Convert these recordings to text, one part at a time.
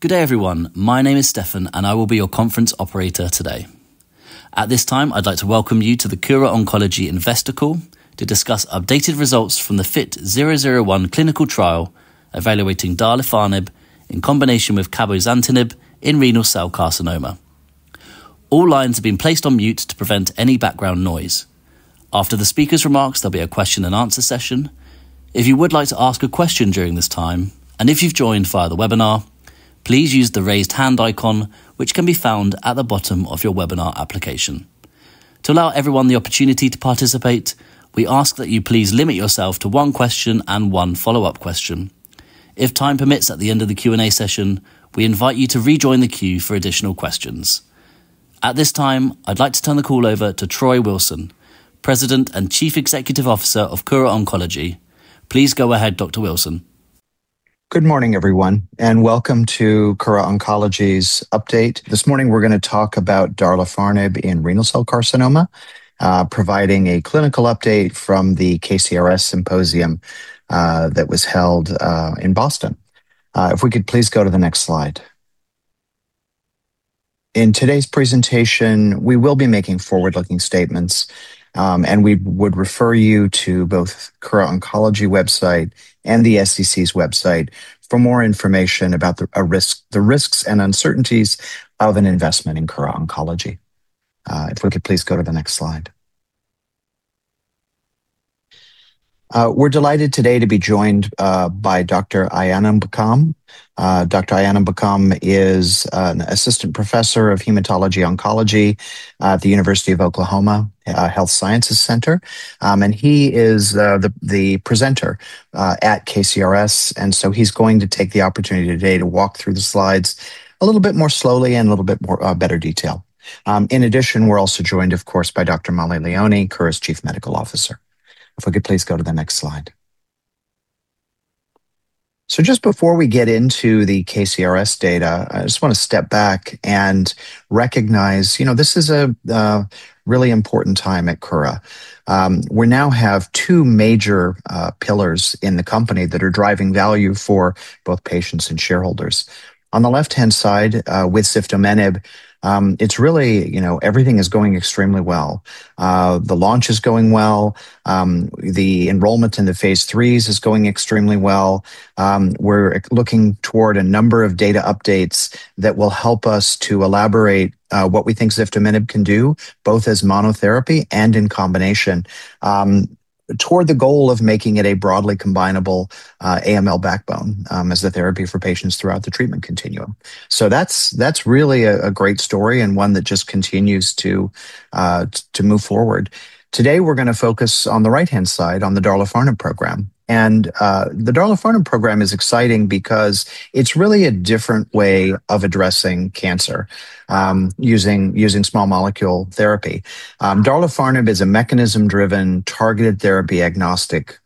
Good day, everyone. My name is Stefan. I will be your conference operator today. At this time, I'd like to welcome you to the Kura Oncology Investor Call to discuss updated results from the FIT-001 clinical trial evaluating darlifarnib in combination with cabozantinib in renal cell carcinoma. All lines have been placed on mute to prevent any background noise. After the speaker's remarks, there'll be a question and answer session. If you would like to ask a question during this time, if you've joined via the webinar, please use the raised hand icon, which can be found at the bottom of your webinar application. To allow everyone the opportunity to participate, we ask that you please limit yourself to one question and one follow-up question. If time permits at the end of the Q&A session, we invite you to rejoin the queue for additional questions. At this time, I'd like to turn the call over to Troy Wilson, President and Chief Executive Officer of Kura Oncology. Please go ahead, Dr. Wilson. Good morning, everyone. Welcome to Kura Oncology's update. This morning we're going to talk about darlifarnib in renal cell carcinoma, providing a clinical update from the KCRS symposium that was held in Boston. If we could please go to the next slide. In today's presentation, we will be making forward-looking statements. We would refer you to both Kura Oncology's website and the SEC's website for more information about the risks and uncertainties of an investment in Kura Oncology. If we could please go to the next slide. We're delighted today to be joined by Dr. Ayanambakkam. Dr. Ayanambakkam is an Assistant Professor of Hematology-Oncology at the University of Oklahoma Health Sciences Center. He is the presenter at KCRS. He's going to take the opportunity today to walk through the slides a little bit more slowly and a little bit more better detail. In addition, we're also joined, of course, by Dr. Mollie Leoni, Kura's Chief Medical Officer. If we could please go to the next slide. Just before we get into the KCRS data, I just want to step back and recognize this is a really important time at Kura. We now have two major pillars in the company that are driving value for both patients and shareholders. On the left-hand side, with ziftomenib, everything is going extremely well. The launch is going well. The enrollment in the phase III is going extremely well. We're looking toward a number of data updates that will help us to elaborate what we think ziftomenib can do, both as monotherapy and in combination, toward the goal of making it a broadly combinable AML backbone as the therapy for patients throughout the treatment continuum. That's really a great story and one that just continues to move forward. Today, we're going to focus on the right-hand side on the darlifarnib program. The darlifarnib program is exciting because it's really a different way of addressing cancer using small molecule therapy. Darlifarnib is a mechanism-driven, targeted therapy agnostic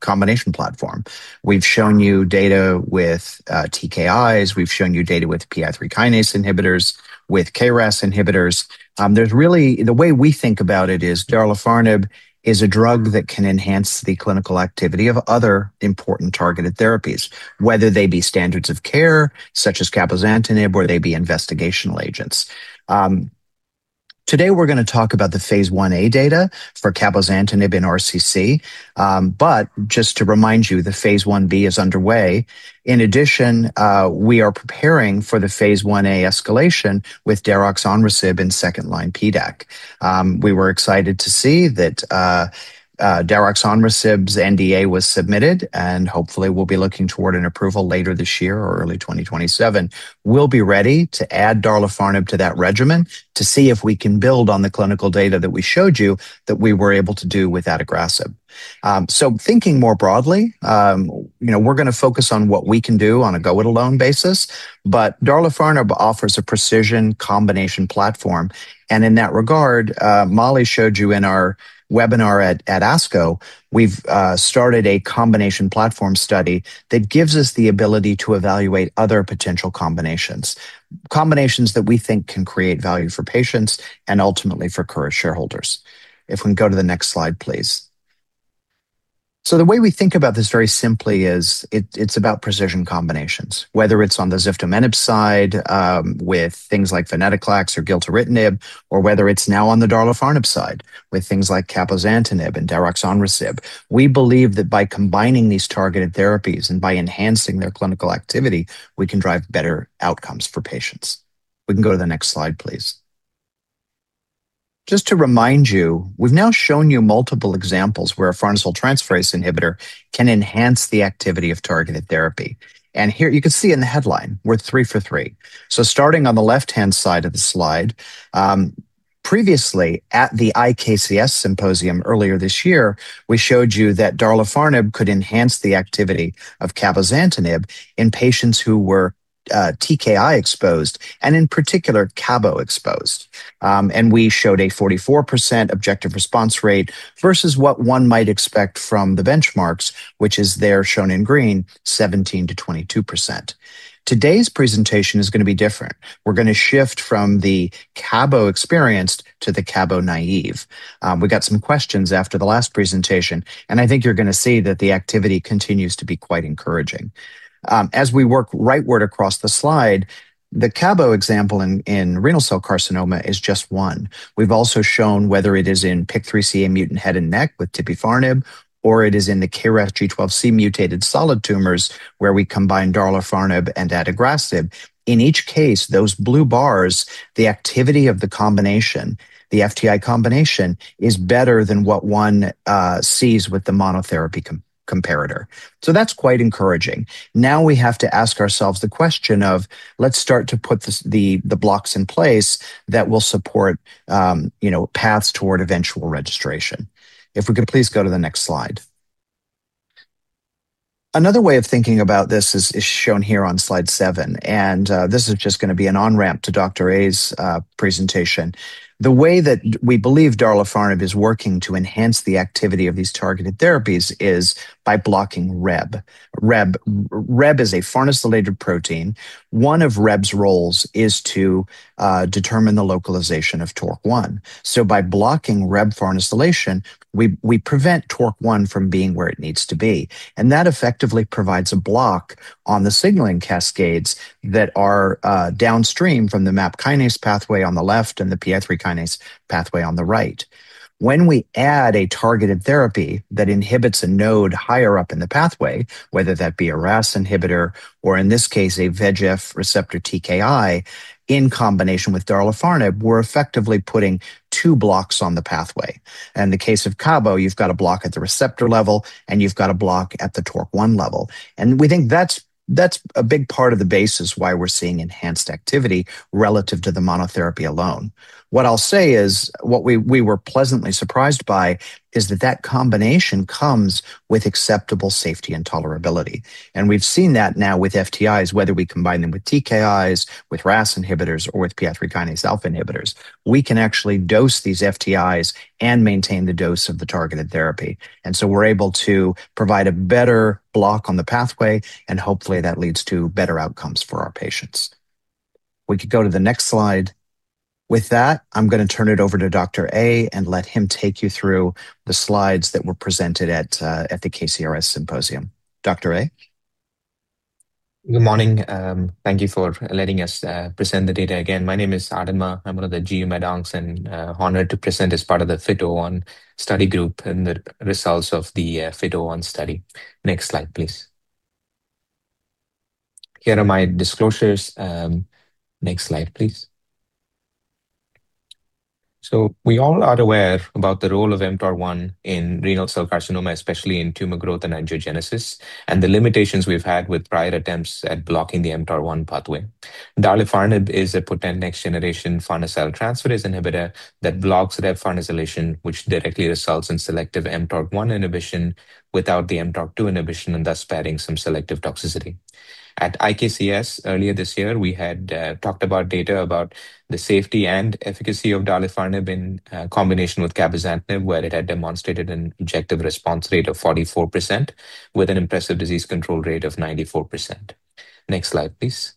combination platform. We've shown you data with TKIs. We've shown you data with PI3K inhibitors, with KRAS inhibitors. The way we think about it is darlifarnib is a drug that can enhance the clinical activity of other important targeted therapies, whether they be standards of care such as cabozantinib, or they be investigational agents. Today, we're going to talk about the phase I-A data for cabozantinib in RCC, but just to remind you, the phase I-B is underway. In addition, we are preparing for the phase I-A escalation with daraxonrasib in second-line PDAC. We were excited to see that daraxonrasib's NDA was submitted, and hopefully we'll be looking toward an approval later this year or early 2027. We'll be ready to add darlifarnib to that regimen to see if we can build on the clinical data that we showed you that we were able to do with adagrasib. Thinking more broadly, we're going to focus on what we can do on a go-it-alone basis. Darlifarnib offers a precision combination platform. In that regard, Mollie showed you in our webinar at ASCO, we've started a combination platform study that gives us the ability to evaluate other potential combinations that we think can create value for patients and ultimately for Kura shareholders. If we can go to the next slide, please. The way we think about this very simply is it's about precision combinations, whether it's on the ziftomenib side with things like venetoclax or gilteritinib, or whether it's now on the darlifarnib side with things like cabozantinib and daraxonrasib. We believe that by combining these targeted therapies and by enhancing their clinical activity, we can drive better outcomes for patients. We can go to the next slide, please. Just to remind you, we've now shown you multiple examples where a farnesyl transferase inhibitor can enhance the activity of targeted therapy. Here you can see in the headline, we're three for three. Starting on the left-hand side of the slide, previously at the IKCS symposium earlier this year, we showed you that darlifarnib could enhance the activity of cabozantinib in patients who were TKI exposed and in particular cabo exposed. We showed a 44% objective response rate versus what one might expect from the benchmarks, which is there shown in green, 17%-22%. Today's presentation is going to be different. We're going to shift from the cabo experienced to the cabo naive. We got some questions after the last presentation, and I think you're going to see that the activity continues to be quite encouraging. As we work rightward across the slide, the cabo example in renal cell carcinoma is just one. We've also shown whether it is in PIK3CA mutant head and neck with tipifarnib, or it is in the KRAS G12C mutated solid tumors where we combine darlifarnib and adagrasib. In each case, those blue bars, the activity of the combination, the FTI combination, is better than what one sees with the monotherapy comparator. That's quite encouraging. We have to ask ourselves the question of let's start to put the blocks in place that will support paths toward eventual registration. If we could please go to the next slide. Another way of thinking about this is shown here on slide seven, and this is just going to be an on-ramp to Dr. A's presentation. The way that we believe darlifarnib is working to enhance the activity of these targeted therapies is by blocking Rheb. Rheb is a farnesylated protein. One of Rheb's roles is to determine the localization of mTORC1. By blocking Rheb farnesylation, we prevent mTORC1 from being where it needs to be, and that effectively provides a block on the signaling cascades that are downstream from the MAP kinase pathway on the left and the PI3 kinase pathway on the right. When we add a targeted therapy that inhibits a node higher up in the pathway, whether that be a RAS inhibitor or in this case a VEGF receptor TKI in combination with darlifarnib, we're effectively putting two blocks on the pathway. In the case of cabo, you've got a block at the receptor level, and you've got a block at the mTORC1 level. We think that's a big part of the basis why we're seeing enhanced activity relative to the monotherapy alone. What I'll say is, what we were pleasantly surprised by is that that combination comes with acceptable safety and tolerability. We've seen that now with FTIs, whether we combine them with TKIs, with RAS inhibitors, or with PI3 kinase alpha inhibitors. We can actually dose these FTIs and maintain the dose of the targeted therapy. We're able to provide a better block on the pathway and hopefully that leads to better outcomes for our patients. We could go to the next slide. With that, I'm going to turn it over to Dr. A and let him take you through the slides that were presented at the IKCS symposium. Dr. A? Good morning. Thank you for letting us present the data again. My name is Adanma. I'm one of the GM at Oncs and honored to present as part of the FIT-001 study group and the results of the FIT-001 study. Next slide, please. Here are my disclosures. Next slide, please. We all are aware about the role of mTORC1 in renal cell carcinoma, especially in tumor growth and angiogenesis, and the limitations we've had with prior attempts at blocking the mTORC1 pathway. Darlifarnib is a potent next-generation farnesyl transferase inhibitor that blocks Rheb farnesylation, which directly results in selective mTORC1 inhibition without the mTORC2 inhibition, and thus sparing some selective toxicity. At IKCS earlier this year, we had talked about data about the safety and efficacy of darlifarnib in combination with cabozantinib, where it had demonstrated an objective response rate of 44% with an impressive disease control rate of 94%. Next slide, please.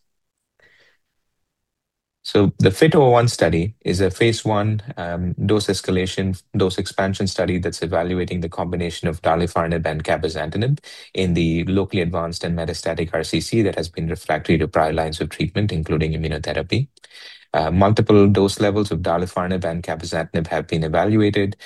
The FIT-001 study is a phase I dose escalation, dose expansion study that's evaluating the combination of darlifarnib and cabozantinib in the locally advanced and metastatic RCC that has been refractory to prior lines of treatment, including immunotherapy. Multiple dose levels of darlifarnib and cabozantinib have been evaluated.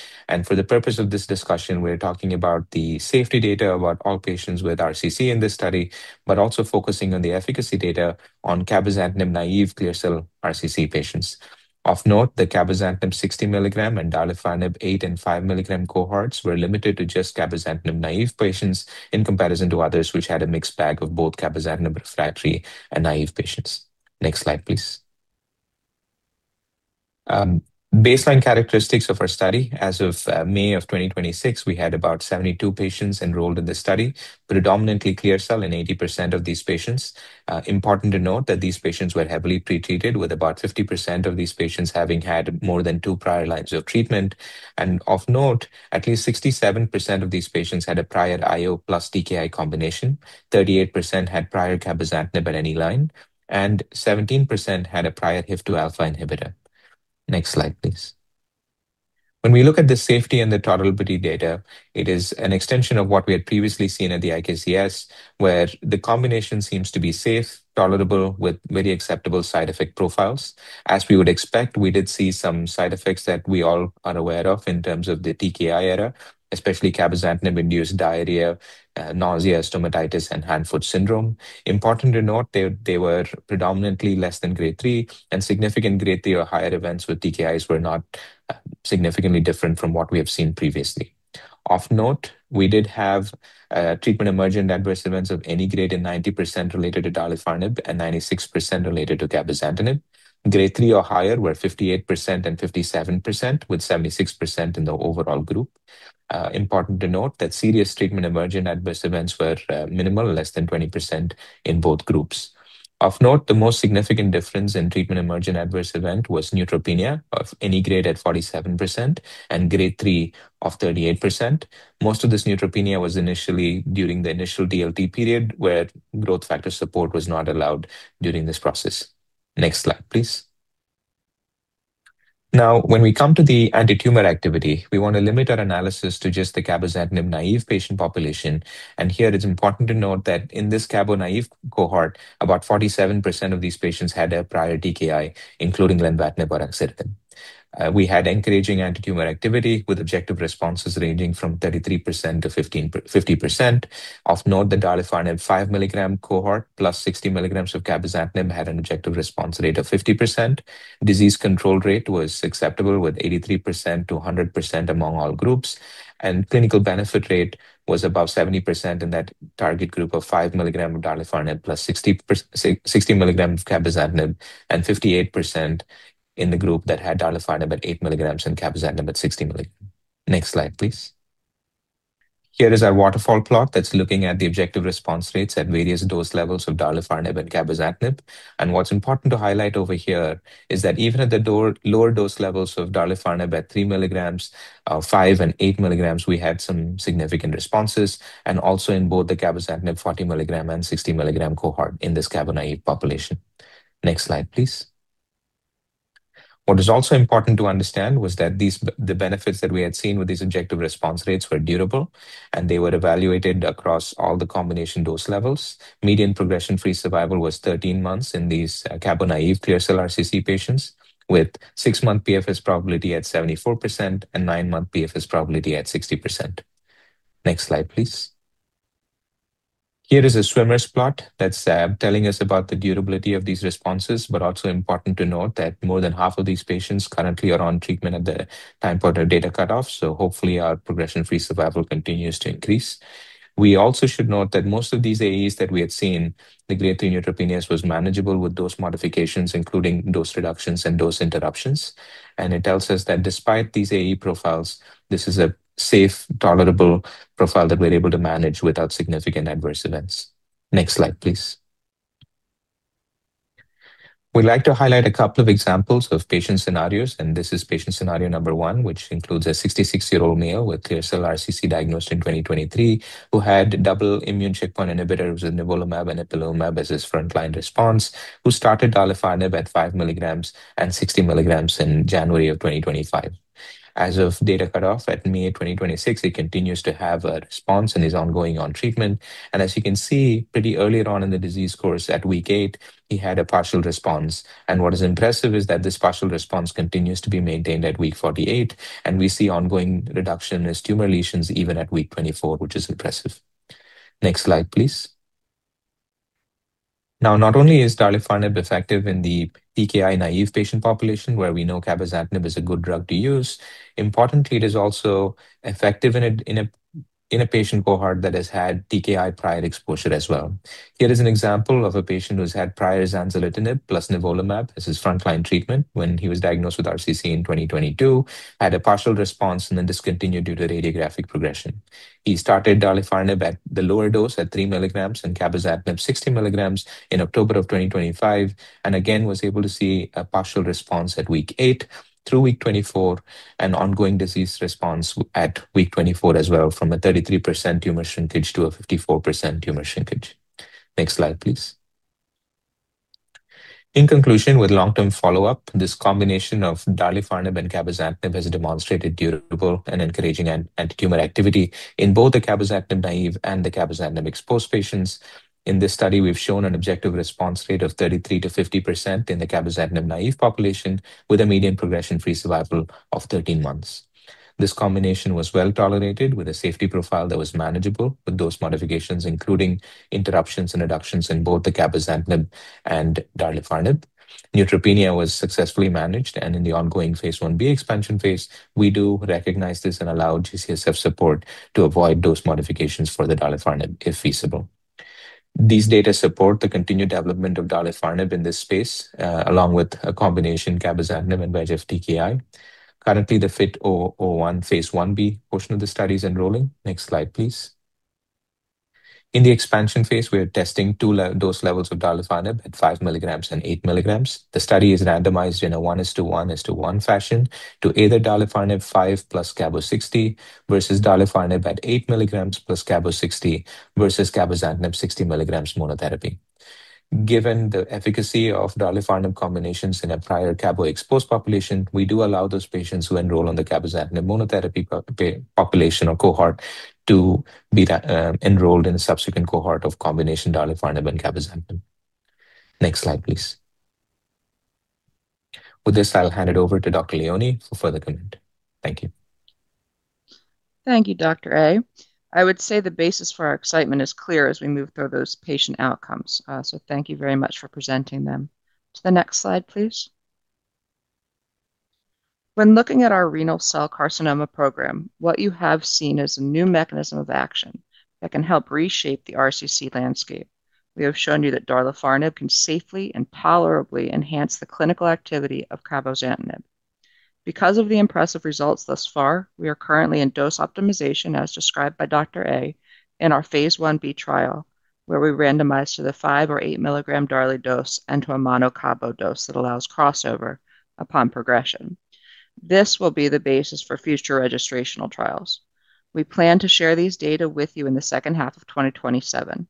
For the purpose of this discussion, we're talking about the safety data about all patients with RCC in this study, but also focusing on the efficacy data on cabozantinib-naive clear cell RCC patients. Of note, the cabozantinib 60 mg and darlifarnib 8 mg and 5 mg cohorts were limited to just cabozantinib-naive patients in comparison to others which had a mixed bag of both cabozantinib refractory and naive patients. Next slide, please. Baseline characteristics of our study as of May of 2026, we had about 72 patients enrolled in the study, predominantly clear cell in 80% of these patients. Important to note that these patients were heavily pretreated, with about 50% of these patients having had more than two prior lines of treatment. Of note, at least 67% of these patients had a prior IO+TKI combination, 38% had prior cabozantinib at any line, and 17% had a prior HIF-2 alpha inhibitor. Next slide, please. When we look at the safety and the tolerability data, it is an extension of what we had previously seen at the IKCS, where the combination seems to be safe, tolerable, with very acceptable side effect profiles. As we would expect, we did see some side effects that we all are aware of in terms of the TKI era, especially cabozantinib-induced diarrhea, nausea, stomatitis, and hand-foot syndrome. Important to note, they were predominantly less than Grade 3, and significant Grade 3 or higher events with TKIs were not significantly different from what we have seen previously. Of note, we did have treatment-emergent adverse events of any grade in 90% related to darlifarnib and 96% related to cabozantinib. Grade 3 or higher were 58% and 57%, with 76% in the overall group. Important to note that serious treatment-emergent adverse events were minimal, less than 20% in both groups. Of note, the most significant difference in treatment-emergent adverse event was neutropenia of any grade at 47% and Grade 3 of 38%. Most of this neutropenia was initially during the initial DLT period, where growth factor support was not allowed during this process. Next slide, please. When we come to the antitumor activity, we want to limit our analysis to just the cabozantinib-naive patient population. Here it is important to note that in this cabo-naive cohort, about 47% of these patients had a prior TKI, including lenvatinib or axitinib. We had encouraging antitumor activity, with objective responses ranging from 33%-50%. Of note, the darlifarnib 5 milligram cohort +60 mg of cabozantinib had an objective response rate of 50%. Disease control rate was acceptable, with 83%-100% among all groups. Clinical benefit rate was above 70% in that target group of 5 mg of darlifarnib +60 mg of cabozantinib and 58% in the group that had darlifarnib at 8 mg and cabozantinib at 60 mg. Next slide, please. Here is our waterfall plot that's looking at the objective response rates at various dose levels of darlifarnib and cabozantinib. What's important to highlight over here is that even at the lower dose levels of darlifarnib at 3 mg, 5 mg, and 8 mg, we had some significant responses, and also in both the cabozantinib 40 mg and 60-mg cohort in this cabo-naive population. Next slide, please. What is also important to understand was that the benefits that we had seen with these objective response rates were durable, and they were evaluated across all the combination dose levels. Median progression-free survival was 13 months in these cabo-naive clear cell RCC patients, with six-month PFS probability at 74% and nine-month PFS probability at 60%. Next slide, please. Here is a swimmers plot that's telling us about the durability of these responses, but also important to note that more than half of these patients currently are on treatment at the time for their data cutoff. Hopefully our progression-free survival continues to increase. We also should note that most of these AEs that we had seen, the Grade 3 neutropenias was manageable with dose modifications, including dose reductions and dose interruptions. It tells us that despite these AE profiles, this is a safe, tolerable profile that we're able to manage without significant adverse events. Next slide, please. We'd like to highlight a couple of examples of patient scenarios, this is patient scenario number one, which includes a 66-year-old male with clear cell RCC diagnosed in 2023 who had double immune checkpoint inhibitors with nivolumab and ipilimumab as his frontline response, who started darlifarnib at 5 mg and 60 mg in January 2025. As of data cutoff at May 2026, he continues to have a response and is ongoing on treatment. As you can see, pretty early on in the disease course at week 8, he had a partial response. What is impressive is that this partial response continues to be maintained at week 48, we see ongoing reduction in his tumor lesions even at week 24, which is impressive. Next slide, please. Not only is darlifarnib effective in the TKI-naive patient population where we know cabozantinib is a good drug to use. Importantly, it is also effective in a patient cohort that has had TKI prior exposure as well. Here is an example of a patient who's had prior axitinib+nivolumab as his frontline treatment when he was diagnosed with RCC in 2022, had a partial response and then discontinued due to radiographic progression. He started darlifarnib at the lower dose at 3 mg and cabozantinib 60 mg in October 2025, again, was able to see a partial response at week eight through week 24 and ongoing disease response at week 24 as well from a 33% tumor shrinkage to a 54% tumor shrinkage. Next slide, please. In conclusion, with long-term follow-up, this combination of darlifarnib and cabozantinib has demonstrated durable and encouraging antitumor activity in both the cabozantinib-naive and the cabozantinib-exposed patients. In this study, we've shown an objective response rate of 33%-50% in the cabozantinib-naive population with a median progression-free survival of 13 months. This combination was well-tolerated with a safety profile that was manageable, with dose modifications including interruptions and reductions in both the cabozantinib and darlifarnib. Neutropenia was successfully managed, and in the ongoing phase I-B expansion phase, we do recognize this and allow G-CSF support to avoid dose modifications for the darlifarnib if feasible. These data support the continued development of darlifarnib in this space, along with a combination cabozantinib and VEGF TKI. Currently, the FIT-001 phase I-B portion of the study is enrolling. Next slide, please. In the expansion phase, we are testing two dose levels of darlifarnib at 5 mg and 8 mg. The study is randomized in a 1:1:1 fashion to either darlifarnib 5 +cabo 60 versus darlifarnib at 8 mg +cabo 60 versus cabozantinib 60 mg monotherapy. Given the efficacy of darlifarnib combinations in a prior cabo-exposed population, we do allow those patients who enroll on the cabozantinib monotherapy population or cohort to be enrolled in a subsequent cohort of combination darlifarnib and cabozantinib. Next slide, please. With this, I'll hand it over to Dr. Leoni for further comment. Thank you. Thank you, Dr. A. I would say the basis for our excitement is clear as we move through those patient outcomes. Thank you very much for presenting them. To the next slide, please. When looking at our renal cell carcinoma program, what you have seen is a new mechanism of action that can help reshape the RCC landscape. We have shown you that darlifarnib can safely and tolerably enhance the clinical activity of cabozantinib. Because of the impressive results thus far, we are currently in dose optimization, as described by Dr. A., in our phase I-B trial, where we randomized to the 5 or 8 milligram darli dose and to a mono cabo dose that allows crossover upon progression. This will be the basis for future registrational trials. We plan to share these data with you in the second half of 2027.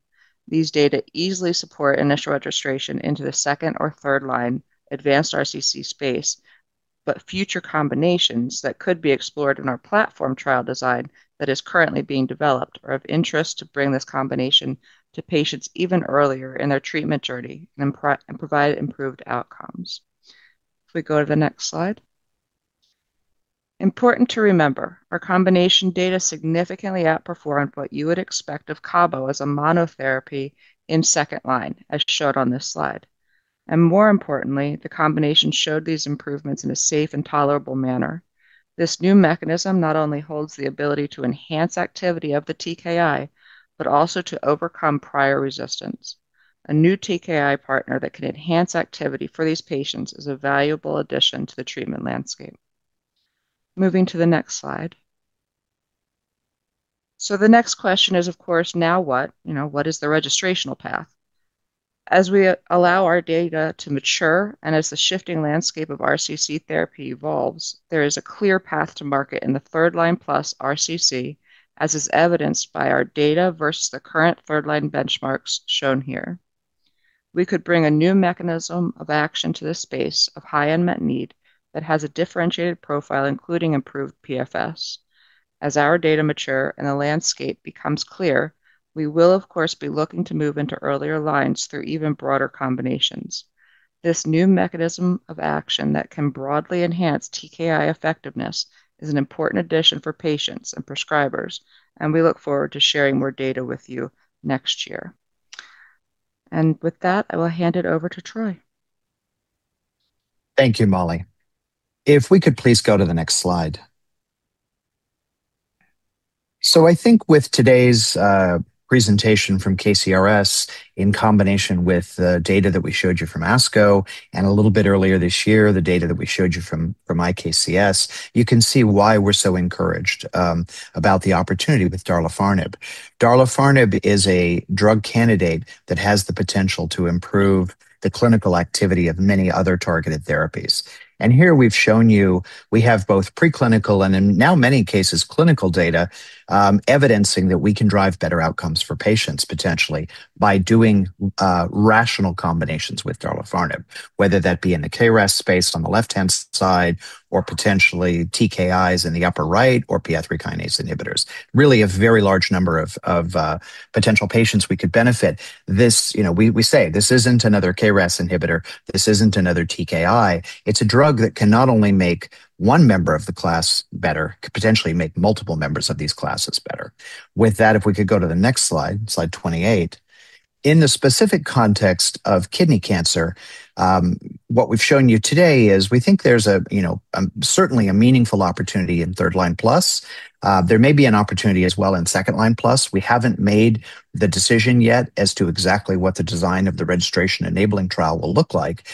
These data easily support initial registration into the second or third-line advanced RCC space. Future combinations that could be explored in our platform trial design that is currently being developed are of interest to bring this combination to patients even earlier in their treatment journey and provide improved outcomes. If we go to the next slide. Important to remember, our combination data significantly outperformed what you would expect of cabo as a monotherapy in second-line, as showed on this slide. More importantly, the combination showed these improvements in a safe and tolerable manner. This new mechanism not only holds the ability to enhance activity of the TKI, but also to overcome prior resistance. A new TKI partner that can enhance activity for these patients is a valuable addition to the treatment landscape. Moving to the next slide. The next question is, of course, now what? What is the registrational path? As we allow our data to mature and as the shifting landscape of RCC therapy evolves, there is a clear path to market in the third line plus RCC, as is evidenced by our data versus the current third line benchmarks shown here. We could bring a new mechanism of action to this space of high unmet need that has a differentiated profile, including improved PFS. As our data mature and the landscape becomes clear, we will, of course, be looking to move into earlier lines through even broader combinations. This new mechanism of action that can broadly enhance TKI effectiveness is an important addition for patients and prescribers, we look forward to sharing more data with you next year. With that, I will hand it over to Troy. Thank you, Mollie. If we could please go to the next slide. I think with today's presentation from KCRS, in combination with the data that we showed you from ASCO and a little bit earlier this year, the data that we showed you from IKCS, you can see why we're so encouraged about the opportunity with darlifarnib. Darlifarnib is a drug candidate that has the potential to improve the clinical activity of many other targeted therapies. Here we've shown you we have both preclinical and, in now many cases, clinical data, evidencing that we can drive better outcomes for patients potentially by doing rational combinations with darlifarnib, whether that be in the KRAS space on the left-hand side or potentially TKIs in the upper right or PI3 kinase inhibitors. Really a very large number of potential patients we could benefit. We say this isn't another KRAS inhibitor. This isn't another TKI. It's a drug that can not only make one member of the class better, could potentially make multiple members of these classes better. With that, if we could go to the next slide 28. In the specific context of kidney cancer, what we've shown you today is we think there's certainly a meaningful opportunity in third line plus. There may be an opportunity as well in second line plus. We haven't made the decision yet as to exactly what the design of the registration-enabling trial will look like.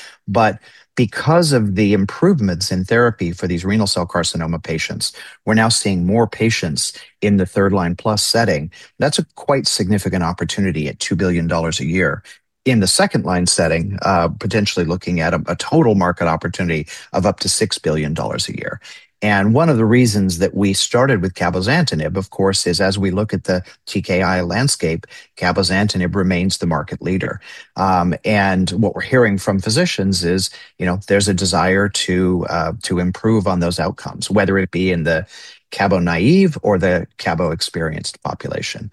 Because of the improvements in therapy for these renal cell carcinoma patients, we're now seeing more patients in the third line plus setting. That's a quite significant opportunity at $2 billion a year. In the second line setting, potentially looking at a total market opportunity of up to $6 billion a year. One of the reasons that we started with cabozantinib, of course, is as we look at the TKI landscape, cabozantinib remains the market leader. What we're hearing from physicians is there's a desire to improve on those outcomes, whether it be in the cabo-naïve or the cabo-experienced population.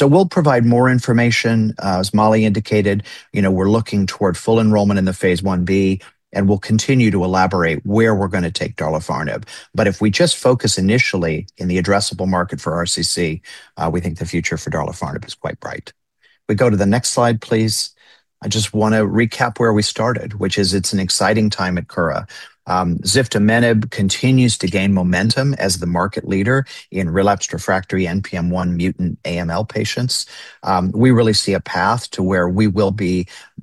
We'll provide more information. As Mollie indicated, we're looking toward full enrollment in the phase I-B, and we'll continue to elaborate where we're going to take darlifarnib. If we just focus initially in the addressable market for RCC, we think the future for darlifarnib is quite bright. We go to the next slide, please. I just want to recap where we started, which is it's an exciting time at Kura. Ziftomenib continues to gain momentum as the market leader in relapsed/refractory NPM1-mutant AML patients. We really see a path to where we will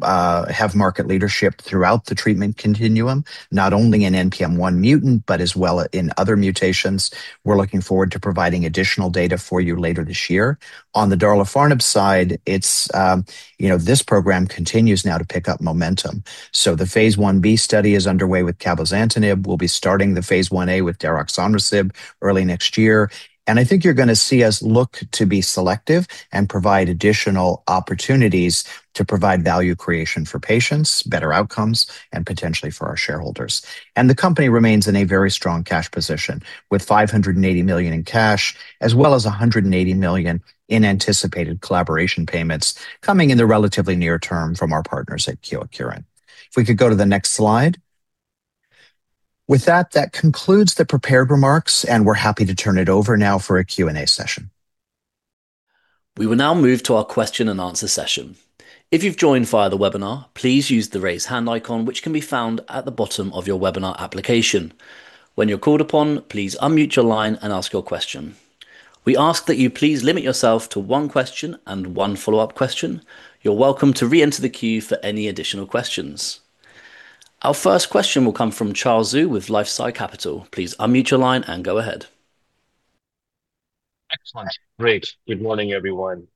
have market leadership throughout the treatment continuum, not only in NPM1-mutant but as well in other mutations. We're looking forward to providing additional data for you later this year. On the darlifarnib side, this program continues now to pick up momentum. The phase I-B study is underway with cabozantinib. We'll be starting the phase I-A with daroxadrosib early next year. I think you're going to see us look to be selective and provide additional opportunities to provide value creation for patients, better outcomes, and potentially for our shareholders. The company remains in a very strong cash position, with $580 million in cash, as well as $180 million in anticipated collaboration payments coming in the relatively near term from our partners at Kyowa Kirin. If we could go to the next slide. That concludes the prepared remarks, we're happy to turn it over now for a Q&A session. We will now move to our question and answer session. If you've joined via the webinar, please use the raise hand icon, which can be found at the bottom of your webinar application. When you're called upon, please unmute your line and ask your question. We ask that you please limit yourself to one question and one follow-up question. You're welcome to reenter the queue for any additional questions. Our first question will come from Charles Zhu with LifeSci Capital. Please unmute your line and go ahead. Good morning, everyone,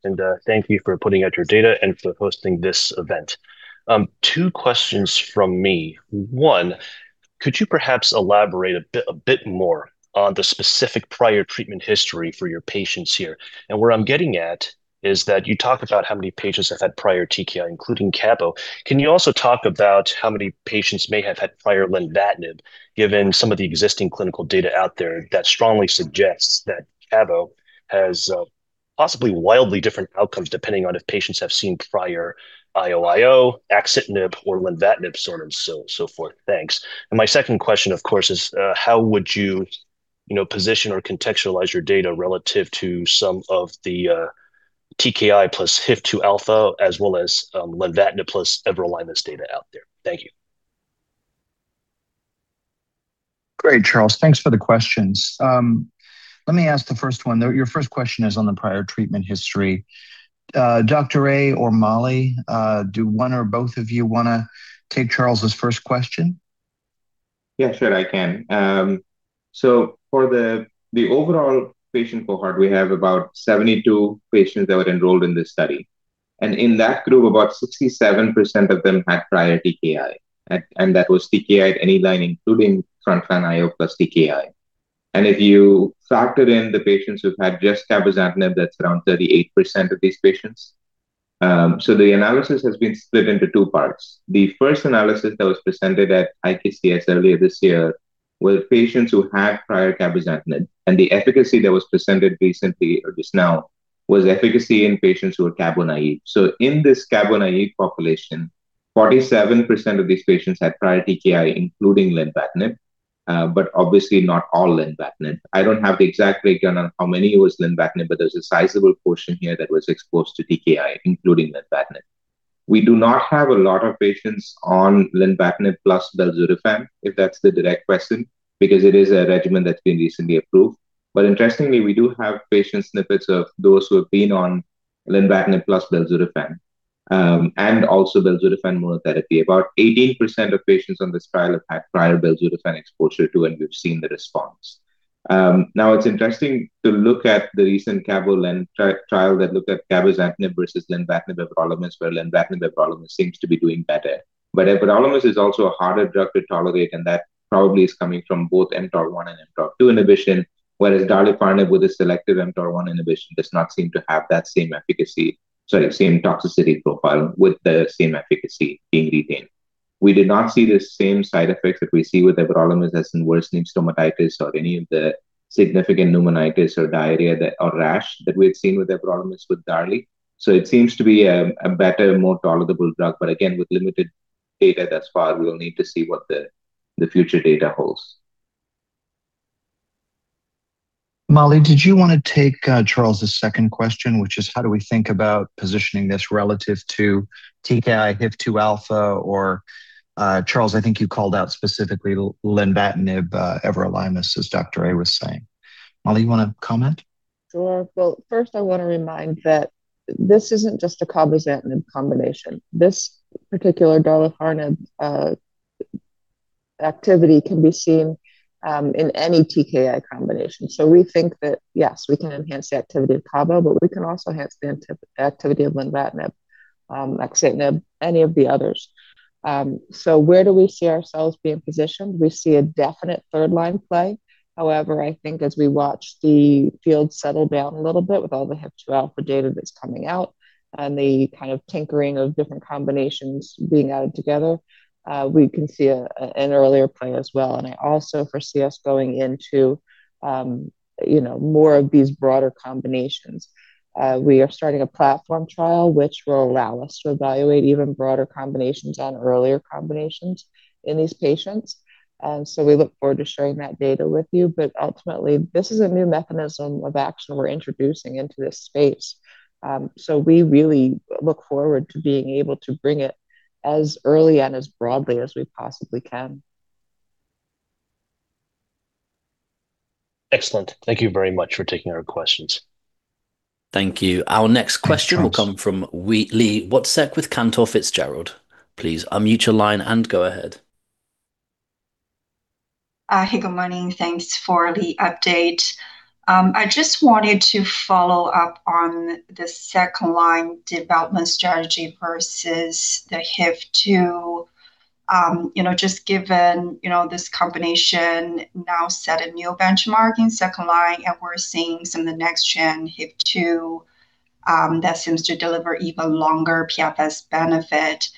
thank you for putting out your data and for hosting this event. Two questions from me. One, could you perhaps elaborate a bit more on the specific prior treatment history for your patients here? Where I'm getting at is that you talk about how many patients have had prior TKI, including cabo. Can you also talk about how many patients may have had prior lenvatinib, given some of the existing clinical data out there that strongly suggests that cabo has possibly wildly different outcomes depending on if patients have seen prior IO, axitinib or lenvatinib sort of so forth. Thanks. My second question, of course, is how would you position or contextualize your data relative to some of the TKI+HIF-2 alpha as well as lenvatinib+everolimus data out there. Thank you. Great, Charles. Thanks for the questions. Let me ask the first one, though. Your first question is on the prior treatment history. Dr. A or Mollie, do one or both of you want to take Charles's first question? Yeah, sure I can. For the overall patient cohort, we have about 72 patients that were enrolled in this study. In that group, about 67% of them had prior TKI, and that was TKI at any line, including front-line IO plus TKI. If you factor in the patients who've had just cabozantinib, that's around 38% of these patients. The analysis has been split into two parts. The first analysis that was presented at IKCS earlier this year was patients who had prior cabozantinib, and the efficacy that was presented recently or just now was efficacy in patients who were cabo-naive. In this cabo-naive population, 47% of these patients had prior TKI, including lenvatinib, but obviously not all lenvatinib. I don't have the exact breakdown on how many it was lenvatinib, but there's a sizable portion here that was exposed to TKI, including lenvatinib. We do not have a lot of patients on lenvatinib+belzutifan, if that's the direct question, because it is a regimen that's been recently approved. Interestingly, we do have patient snippets of those who have been on lenvatinib+belzutifan, and also belzutifan monotherapy. About 18% of patients on this trial have had prior belzutifan exposure too, and we've seen the response. Now, it's interesting to look at the recent cabo-len trial that looked at cabozantinib versus lenvatinib everolimus, where lenvatinib everolimus seems to be doing better. Everolimus is also a harder drug to tolerate, and that probably is coming from both mTOR one and mTOR two inhibition, whereas darlifarnib with a selective mTOR one inhibition does not seem to have that same efficacy, same toxicity profile with the same efficacy being retained. We did not see the same side effects that we see with everolimus, as in worsening stomatitis or any of the significant pneumonitis or diarrhea or rash that we had seen with everolimus with darlifarnib. It seems to be a better, more tolerable drug. Again, with limited data thus far, we will need to see what the future data holds. Mollie, did you want to take Charles's second question, which is how do we think about positioning this relative to TKI, HIF-2 alpha or, Charles, I think you called out specifically lenvatinib, everolimus, as Dr. A was saying. Mollie, you want to comment? Sure. Well, first I want to remind that this isn't just a cabozantinib combination. This particular darlifarnib activity can be seen in any TKI combination. We think that yes, we can enhance the activity of cabo, but we can also enhance the activity of lenvatinib, axitinib, any of the others. Where do we see ourselves being positioned? We see a definite third line play. However, I think as we watch the field settle down a little bit with all the HIF-2 alpha data that's coming out and the kind of tinkering of different combinations being added together, we can see an earlier play as well. I also foresee us going into more of these broader combinations. We are starting a platform trial, which will allow us to evaluate even broader combinations and earlier combinations in these patients. We look forward to sharing that data with you. Ultimately, this is a new mechanism of action we're introducing into this space. We really look forward to being able to bring it as early and as broadly as we possibly can. Excellent. Thank you very much for taking our questions. Thank you. Thanks, Charles. Our next question will come from Li Watsek with Cantor Fitzgerald. Please unmute your line and go ahead. Hey, good morning. Thanks for the update. I just wanted to follow up on the second-line development strategy versus the HIF-2, just given this combination now set a new benchmark in second line, and we're seeing some of the next-gen HIF-2 that seems to deliver even longer PFS benefit.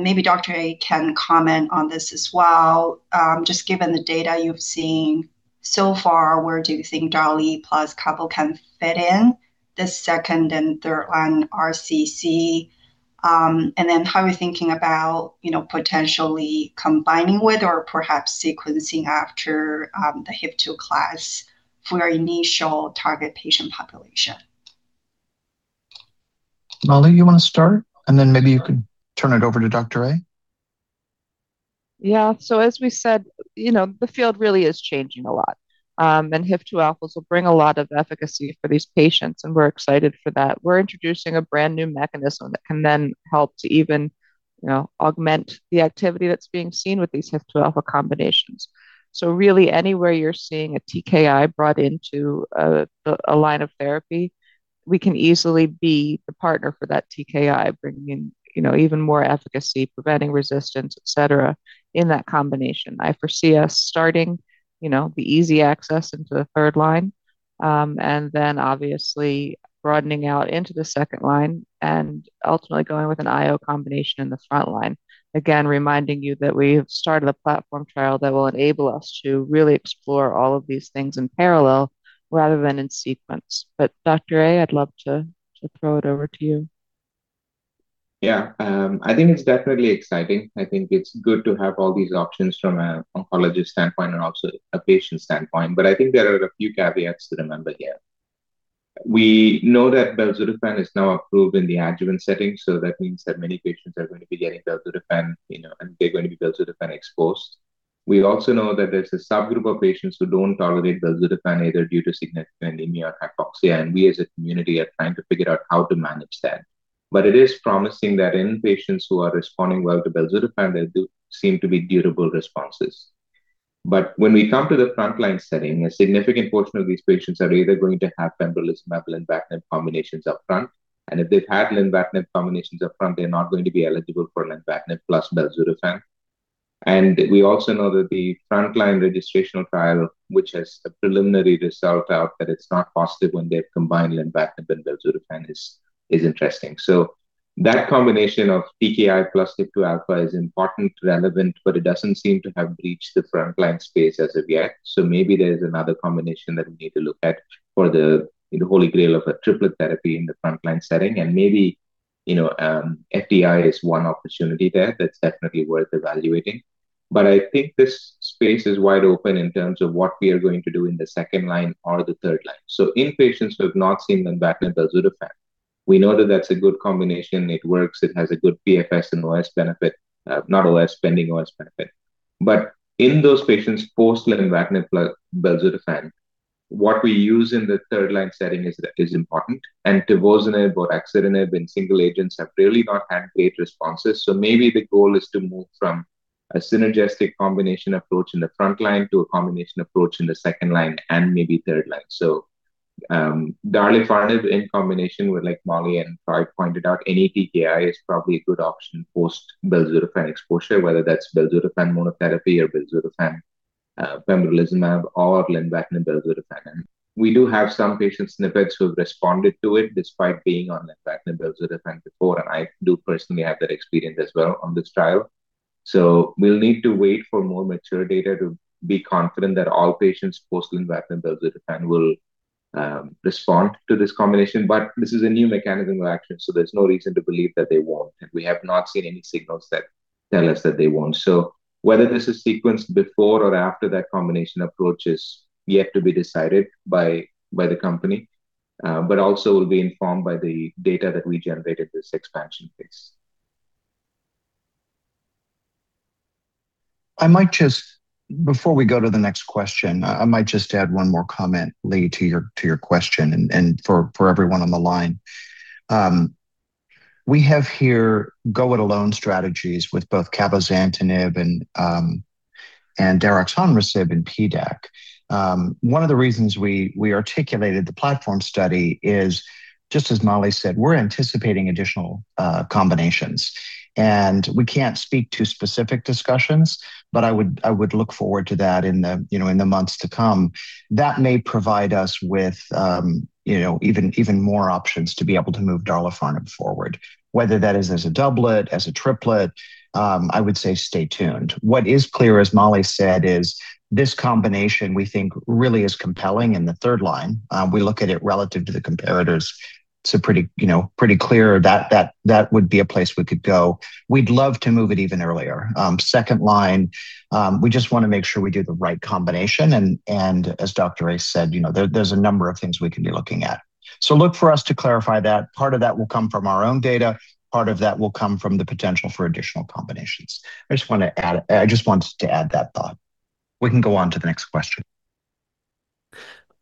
Maybe Dr. A can comment on this as well. Just given the data you've seen so far, where do you think darlifarnib+cabozantinib can fit in the second and third-line RCC? Then how are you thinking about potentially combining with or perhaps sequencing after the HIF-2 alpha class for your initial target patient population? Mollie, you want to start? Then maybe you could turn it over to Dr. A. Yeah. As we said, the field really is changing a lot. HIF-2 alphas will bring a lot of efficacy for these patients, we're excited for that. We're introducing a brand-new mechanism that can then help to even augment the activity that's being seen with these HIF-2 alpha combinations. Really anywhere you're seeing a TKI brought into a line of therapy, we can easily be the partner for that TKI, bringing even more efficacy, preventing resistance, et cetera, in that combination. I foresee us starting the easy access into the third line, then obviously broadening out into the second line and ultimately going with an IO combination in the front line. Again, reminding you that we have started a platform trial that will enable us to really explore all of these things in parallel rather than in sequence. Dr. A, I'd love to throw it over to you. Yeah. I think it's definitely exciting. I think it's good to have all these options from an oncologist standpoint and also a patient standpoint. I think there are a few caveats to remember here. We know that belzutifan is now approved in the adjuvant setting, so that means that many patients are going to be getting belzutifan, and they're going to be belzutifan exposed. We also know that there's a subgroup of patients who don't tolerate belzutifan, either due to significant anemia or hypoxia, and we as a community are trying to figure out how to manage that. It is promising that in patients who are responding well to belzutifan, there do seem to be durable responses. When we come to the frontline setting, a significant portion of these patients are either going to have pembrolizumab and lenvatinib combinations upfront, and if they've had lenvatinib combinations upfront, they're not going to be eligible for lenvatinib plus belzutifan. We also know that the frontline registrational trial, which has a preliminary result out that it's not positive when they've combined lenvatinib and belzutifan, is interesting. That combination of TKI plus HIF-2 alpha is important, relevant, it doesn't seem to have breached the frontline space as of yet. Maybe there's another combination that we need to look at for the holy grail of a triplet therapy in the frontline setting. Maybe FTI is one opportunity there that's definitely worth evaluating. I think this space is wide open in terms of what we are going to do in the second line or the third line. In patients who have not seen lenvatinib belzutifan, we know that that's a good combination. It works. It has a good PFS and OS benefit. Not OS, pending OS benefit. In those patients post lenvatinib belzutifan, what we use in the third-line setting is important, and tivozanib or axitinib in single agents have really not had great responses. Maybe the goal is to move from a synergistic combination approach in the frontline to a combination approach in the second line and maybe third line. Darlifarnib in combination with, like Mollie and Troy pointed out, any TKI is probably a good option post belzutifan exposure, whether that's belzutifan monotherapy or belzutifan pembrolizumab or lenvatinib belzutifan. We do have some patient snippets who have responded to it despite being on lenvatinib belzutifan before. I do personally have that experience as well on this trial. We'll need to wait for more mature data to be confident that all patients post lenvatinib belzutifan will respond to this combination. This is a new mechanism of action, there's no reason to believe that they won't, and we have not seen any signals that tell us that they won't. Whether this is sequenced before or after that combination approach is yet to be decided by the company, but also will be informed by the data that we generated this expansion phase. Before we go to the next question, I might just add one more comment, Li, to your question and for everyone on the line. We have here go-it-alone strategies with both cabozantinib and daraxonrasib in PDAC. One of the reasons we articulated the platform study is, just as Mollie Leoni said, we're anticipating additional combinations. We can't speak to specific discussions, but I would look forward to that in the months to come. That may provide us with even more options to be able to move darlifarnib forward, whether that is as a doublet, as a triplet, I would say stay tuned. What is clear, as Mollie Leoni said, is this combination we think really is compelling in the third line. We look at it relative to the comparators, pretty clear that would be a place we could go. We'd love to move it even earlier. Second line, we just want to make sure we do the right combination, and as Dr. A said, there's a number of things we can be looking at. Look for us to clarify that. Part of that will come from our own data. Part of that will come from the potential for additional combinations. I just wanted to add that thought. We can go on to the next question.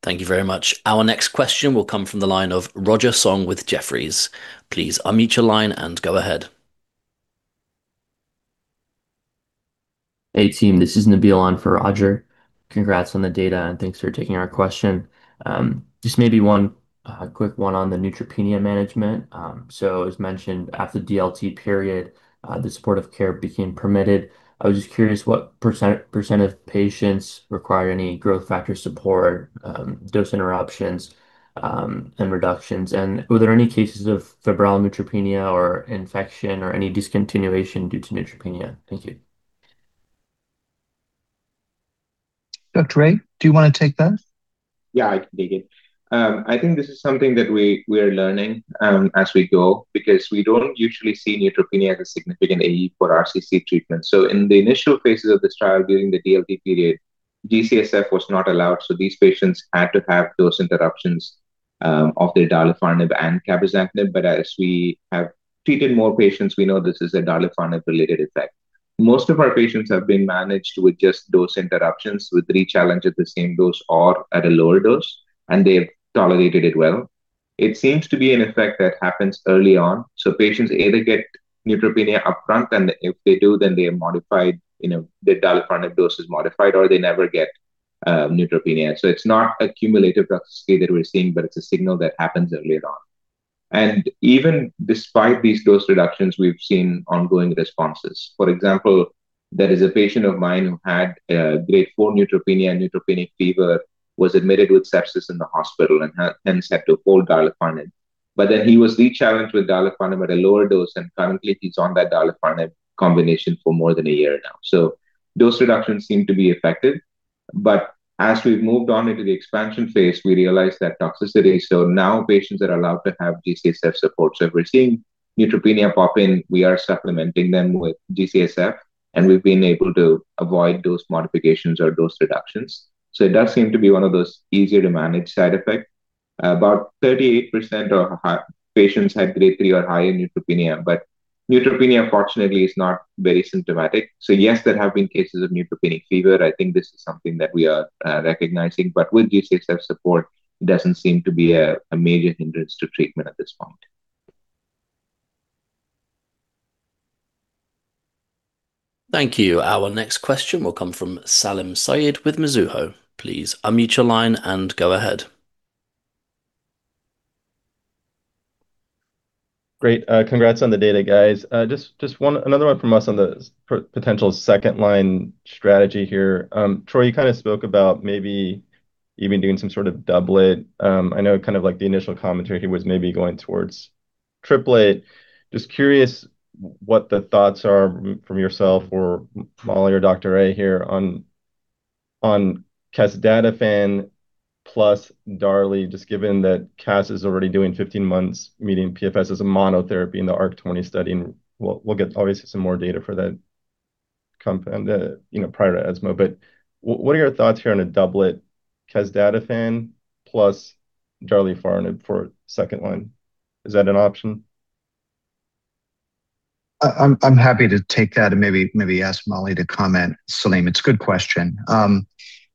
Thank you very much. Our next question will come from the line of Roger Song with Jefferies. Please unmute your line and go ahead. Hey, team. This is Nabil on for Roger. Congrats on the data, and thanks for taking our question. Just maybe one quick one on the neutropenia management. As mentioned, after DLT period, the supportive care became permitted. I was just curious what % of patients require any growth factor support, dose interruptions, and reductions. Were there any cases of febrile neutropenia or infection or any discontinuation due to neutropenia? Thank you. Dr. A, do you want to take that? Yeah, I can take it. I think this is something that we are learning as we go, because we don't usually see neutropenia as a significant AE for RCC treatment. In the initial phases of this trial, during the DLT period, G-CSF was not allowed, these patients had to have dose interruptions of their darlifarnib and cabozantinib. As we have treated more patients, we know this is a darlifarnib-related effect. Most of our patients have been managed with just dose interruptions, with re-challenge at the same dose or at a lower dose, and they've tolerated it well. It seems to be an effect that happens early on. Patients either get neutropenia upfront, and if they do, their darlifarnib dose is modified, or they never get neutropenia. It's not a cumulative toxicity that we're seeing, but it's a signal that happens early on. Even despite these dose reductions, we've seen ongoing responses. For example, there is a patient of mine who had a Grade 4 neutropenia, neutropenic fever, was admitted with sepsis in the hospital and hence had to hold darlifarnib. He was re-challenged with darlifarnib at a lower dose, and currently he's on that darlifarnib combination for more than a year now. Dose reductions seem to be effective, as we've moved on into the expansion phase, we realized that toxicity. Now patients are allowed to have G-CSF support. If we're seeing neutropenia pop in, we are supplementing them with G-CSF, and we've been able to avoid dose modifications or dose reductions. It does seem to be one of those easier-to-manage side effects. About 38% of patients had Grade 3 or higher neutropenia, but neutropenia, fortunately, is not very symptomatic. Yes, there have been cases of neutropenic fever. I think this is something that we are recognizing. With G-CSF support, it doesn't seem to be a major hindrance to treatment at this point. Thank you. Our next question will come from Salim Syed with Mizuho. Please unmute your line and go ahead. Great. Congrats on the data, guys. Just another one from us on the potential second-line strategy here. Troy, you spoke about maybe even doing some sort of doublet. I know the initial commentary here was maybe going towards triplet. Just curious what the thoughts are from yourself or Mollie or Dr. A here on cabozantinib plus darli, just given that caz is already doing 15 months, meeting PFS as a monotherapy in the ARC-20 study, and we'll get obviously some more data for that prior to ESMO. What are your thoughts here on a doublet cabozantinib plus darlifarnib for second line? Is that an option? I'm happy to take that and maybe ask Mollie to comment. Salim, it's a good question.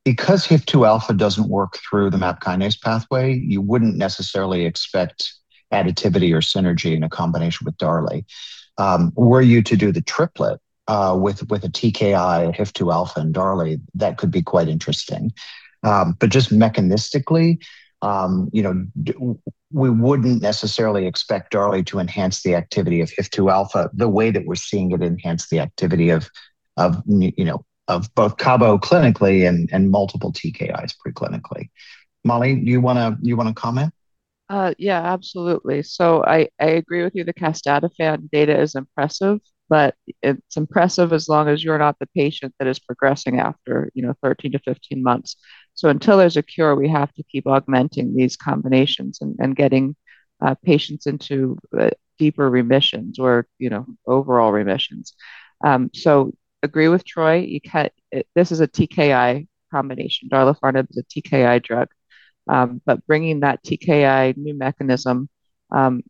Because HIF-2 alpha doesn't work through the MAP kinase pathway, you wouldn't necessarily expect additivity or synergy in a combination with darli. Were you to do the triplet, with a TKI, HIF-2 alpha, and darli, that could be quite interesting. Just mechanistically, we wouldn't necessarily expect darli to enhance the activity of HIF-2 alpha the way that we're seeing it enhance the activity of both cabo clinically and multiple TKIs pre-clinically. Mollie, you want to comment? Yeah, absolutely. I agree with you. The cabozantinib data is impressive, but it's impressive as long as you're not the patient that is progressing after 13-15 months. Until there's a cure, we have to keep augmenting these combinations and getting patients into deeper remissions or overall remissions. Agree with Troy. This is a TKI combination. Darlifarnib is a TKI drug. Bringing that TKI new mechanism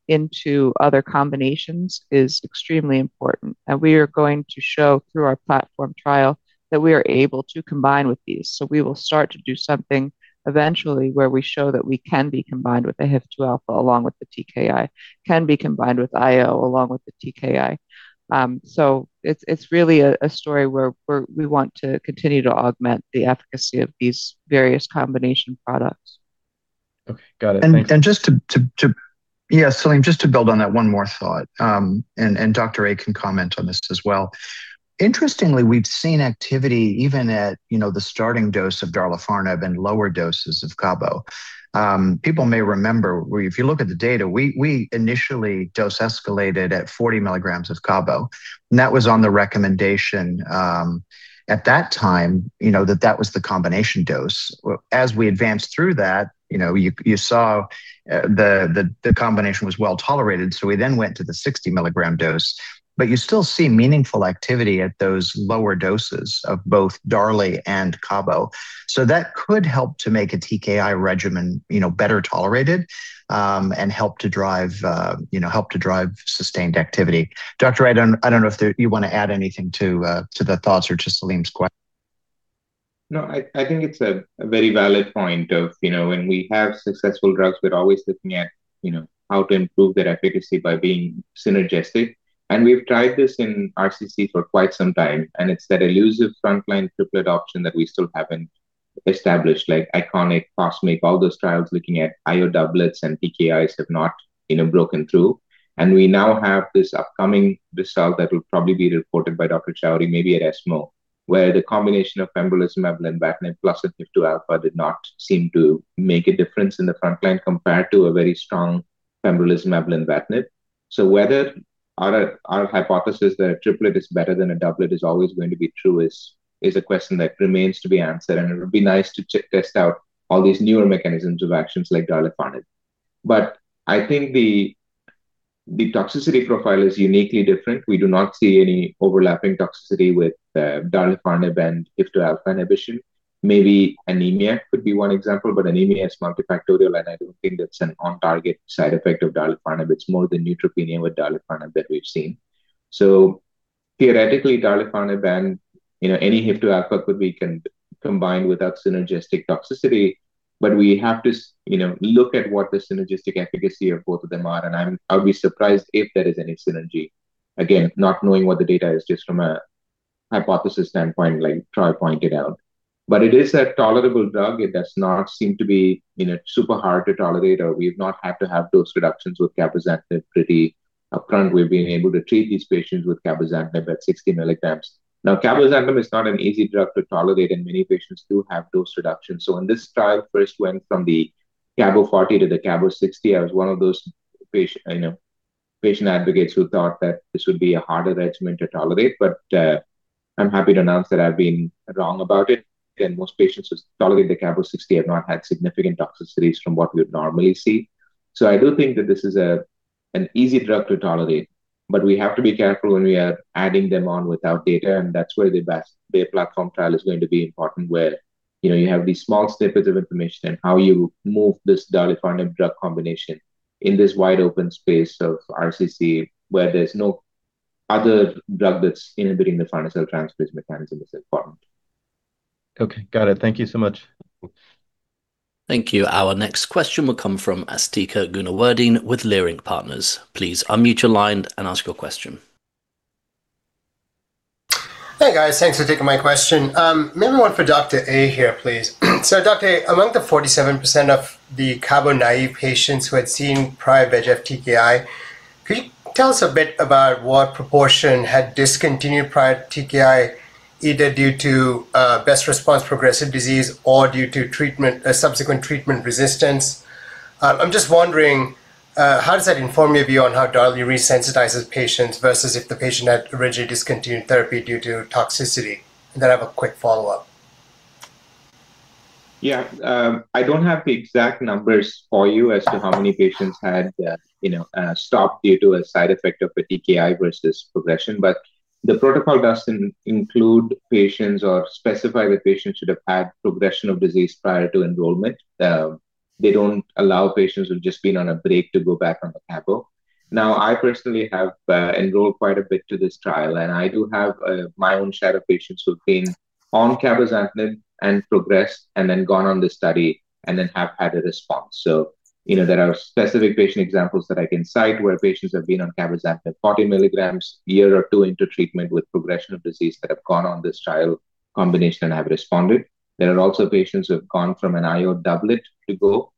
into other combinations is extremely important. We are going to show through our platform trial that we are able to combine with these. We will start to do something eventually where we show that we can be combined with the HIF-2 alpha along with the TKI, can be combined with IO along with the TKI. It's really a story where we want to continue to augment the efficacy of these various combination products. Okay, got it. Thank you. Salim, just to build on that, one more thought. Dr. A can comment on this as well. Interestingly, we've seen activity even at the starting dose of darlifarnib and lower doses of cabo. People may remember, if you look at the data, we initially dose escalated at 40 mg of cabo, and that was on the recommendation at that time that that was the combination dose. We advanced through that, you saw the combination was well-tolerated, so we then went to the 60 mg dose. You still see meaningful activity at those lower doses of both darli and cabo. That could help to make a TKI regimen better tolerated, and help to drive sustained activity. Dr. A, I don't know if you want to add anything to the thoughts or to Salim's question. No, I think it's a very valid point of when we have successful drugs, we're always looking at how to improve their efficacy by being synergistic. We've tried this in RCC for quite some time, and it's that elusive frontline triplet option that we still haven't established, like ICONIC, COSMIC, all those trials looking at IO doublets and TKIs have not broken through. We now have this upcoming result that will probably be reported by Dr. Chowdhury maybe at ESMO, where the combination of pembrolizumab and cabozantinib plus a HIF-2 alpha did not seem to make a difference in the frontline compared to a very strong pembrolizumab and cabozantinib. Whether our hypothesis that a triplet is better than a doublet is always going to be true is a question that remains to be answered, and it would be nice to test out all these newer mechanisms of actions like darlifarnib. I think the toxicity profile is uniquely different. We do not see any overlapping toxicity with darlifarnib and HIF-2 alpha inhibition. Maybe anemia could be one example, but anemia is multifactorial, and I don't think that's an on-target side effect of darlifarnib. It's more the neutropenia with darlifarnib that we've seen. Theoretically, darlifarnib and any HIF-2 alpha could be combined without synergistic toxicity, but we have to look at what the synergistic efficacy of both of them are, and I would be surprised if there is any synergy. Again, not knowing what the data is just from a hypothesis standpoint, like Troy pointed out. It is a tolerable drug. It does not seem to be super hard to tolerate, or we've not had to have dose reductions with cabozantinib pretty upfront. We've been able to treat these patients with cabozantinib at 60 mg. cabozantinib is not an easy drug to tolerate, and many patients do have dose reductions. When this trial first went from the cabo-40 to the cabo-60, I was one of those patient advocates who thought that this would be a harder regimen to tolerate. I'm happy to announce that I've been wrong about it, and most patients who's tolerating the cabo-60 have not had significant toxicities from what we would normally see. I do think that this is an easy drug to tolerate, but we have to be careful when we are adding them on without data, and that's where the BAY platform trial is going to be important, where you have these small snippets of information and how you move this darlifarnib drug combination in this wide-open space of RCC where there's no other drug that's inhibiting the farnesyl transferase mechanism is important. Got it. Thank you so much. Thank you. Our next question will come from Asthika Goonewardene with Leerink Partners. Please unmute your line and ask your question. Hey, guys. Thanks for taking my question. Maybe one for Dr. A here, please. Dr. A, among the 47% of the cabo-naive patients who had seen prior VEGF TKI, could you tell us a bit about what proportion had discontinued prior TKI, either due to best response progressive disease or due to subsequent treatment resistance? I'm just wondering, how does that inform your view on how darlu resensitizes patients versus if the patient had originally discontinued therapy due to toxicity? I have a quick follow-up. Yeah. I don't have the exact numbers for you as to how many patients had stopped due to a side effect of a TKI versus progression, but the protocol doesn't include patients or specify whether patients should have had progression of disease prior to enrollment. They don't allow patients who've just been on a break to go back on the cabo. I personally have enrolled quite a bit to this trial, and I do have my own share of patients who've been on cabozantinib and progressed and then gone on this study and then have had a response. There are specific patient examples that I can cite where patients have been on cabozantinib 40 mg a year or two into treatment with progression of disease that have gone on this trial combination and have responded. There are also patients who have gone from an IO doublet to go.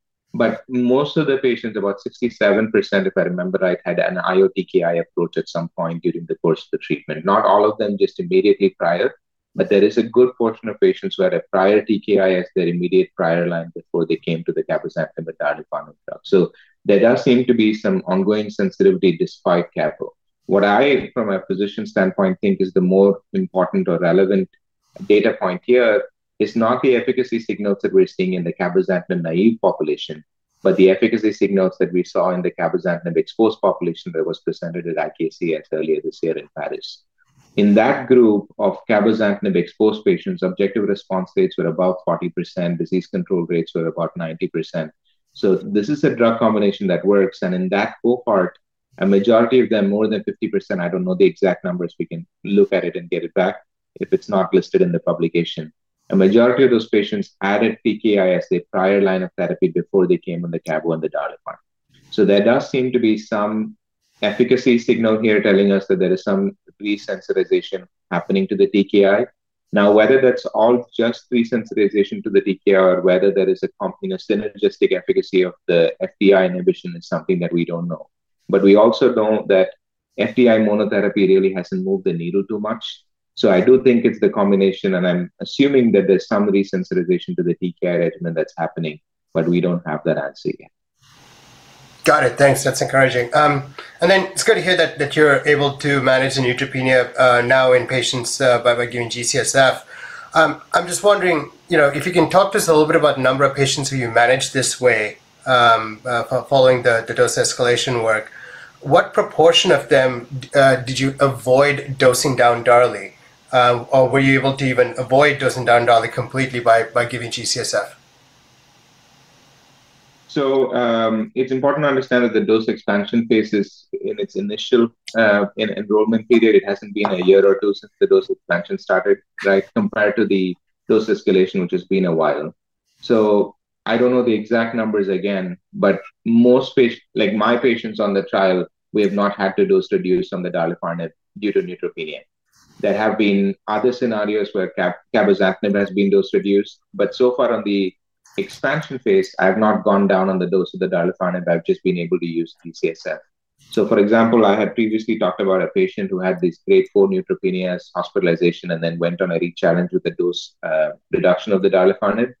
Most of the patients, about 67%, if I remember right, had an IO TKI approach at some point during the course of the treatment. Not all of them just immediately prior, but there is a good portion of patients who had a prior TKI as their immediate prior line before they came to the cabozantinib and darlifarnib drug. There does seem to be some ongoing sensitivity despite cabo. What I, from a physician standpoint, think is the more important or relevant data point here is not the efficacy signals that we're seeing in the cabozantinib-naive population, but the efficacy signals that we saw in the cabozantinib-exposed population that was presented at IKCS earlier this year in Paris. In that group of cabozantinib-exposed patients, objective response rates were above 40%, disease control rates were about 90%. This is a drug combination that works, and in that cohort, a majority of them, more than 50%, I don't know the exact numbers, we can look at it and get it back if it's not listed in the publication. A majority of those patients added TKI as their prior line of therapy before they came on the cabo and the darlifarnib. There does seem to be some efficacy signal here telling us that there is some resensitization happening to the TKI. Whether that's all just resensitization to the TKI or whether there is a synergistic efficacy of the FTI inhibition is something that we don't know. We also know that FTI monotherapy really hasn't moved the needle too much. I do think it's the combination, and I'm assuming that there's some resensitization to the TKI regimen that's happening, but we don't have that answer yet. Got it. Thanks. That's encouraging. It's good to hear that you're able to manage the neutropenia now in patients by giving G-CSF. I'm just wondering if you can talk to us a little bit about the number of patients who you managed this way following the dose escalation work. What proportion of them did you avoid dosing down darli? Or were you able to even avoid dosing down darli completely by giving G-CSF? It's important to understand that the dose expansion phase is in its initial enrollment period. It hasn't been one or two years since the dose expansion started, right, compared to the dose escalation, which has been a while. I don't know the exact numbers again, but most patients, like my patients on the trial, we have not had to dose reduce on the darlifarnib due to neutropenia. There have been other scenarios where cabozantinib has been dose reduced, but so far on the expansion phase, I've not gone down on the dose of the darlifarnib. I've just been able to use G-CSF. For example, I had previously talked about a patient who had these Grade 4 neutropenias, hospitalization, and then went on a re-challenge with a dose reduction of the darlifarnib.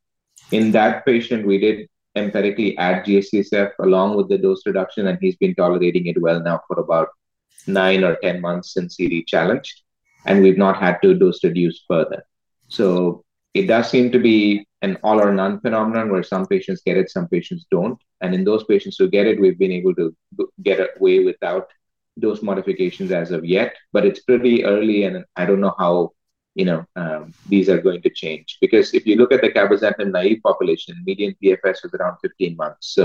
In that patient, we did empirically add G-CSF along with the dose reduction, and he's been tolerating it well now for about nine or 10 months since CD challenged, and we've not had to dose reduce further. It does seem to be an all or none phenomenon where some patients get it, some patients don't. In those patients who get it, we've been able to get away without dose modifications as of yet, but it's pretty early, and I don't know how these are going to change. Because if you look at the cabozantinib naive population, median PFS was around 15 months.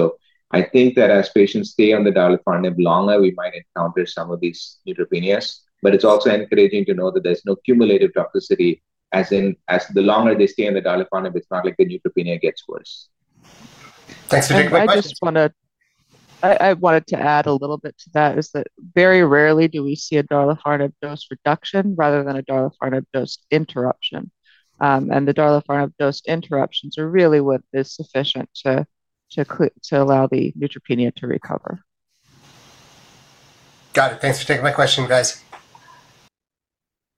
I think that as patients stay on the darlifarnib longer, we might encounter some of these neutropenias. It's also encouraging to know that there's no cumulative toxicity, as in, as the longer they stay on the darlifarnib, it's not like the neutropenia gets worse. Thanks for taking my question. I wanted to add a little bit to that, is that very rarely do we see a darlifarnib dose reduction rather than a darlifarnib dose interruption. The darlifarnib dose interruptions are really what is sufficient to allow the neutropenia to recover. Got it. Thanks for taking my question, guys.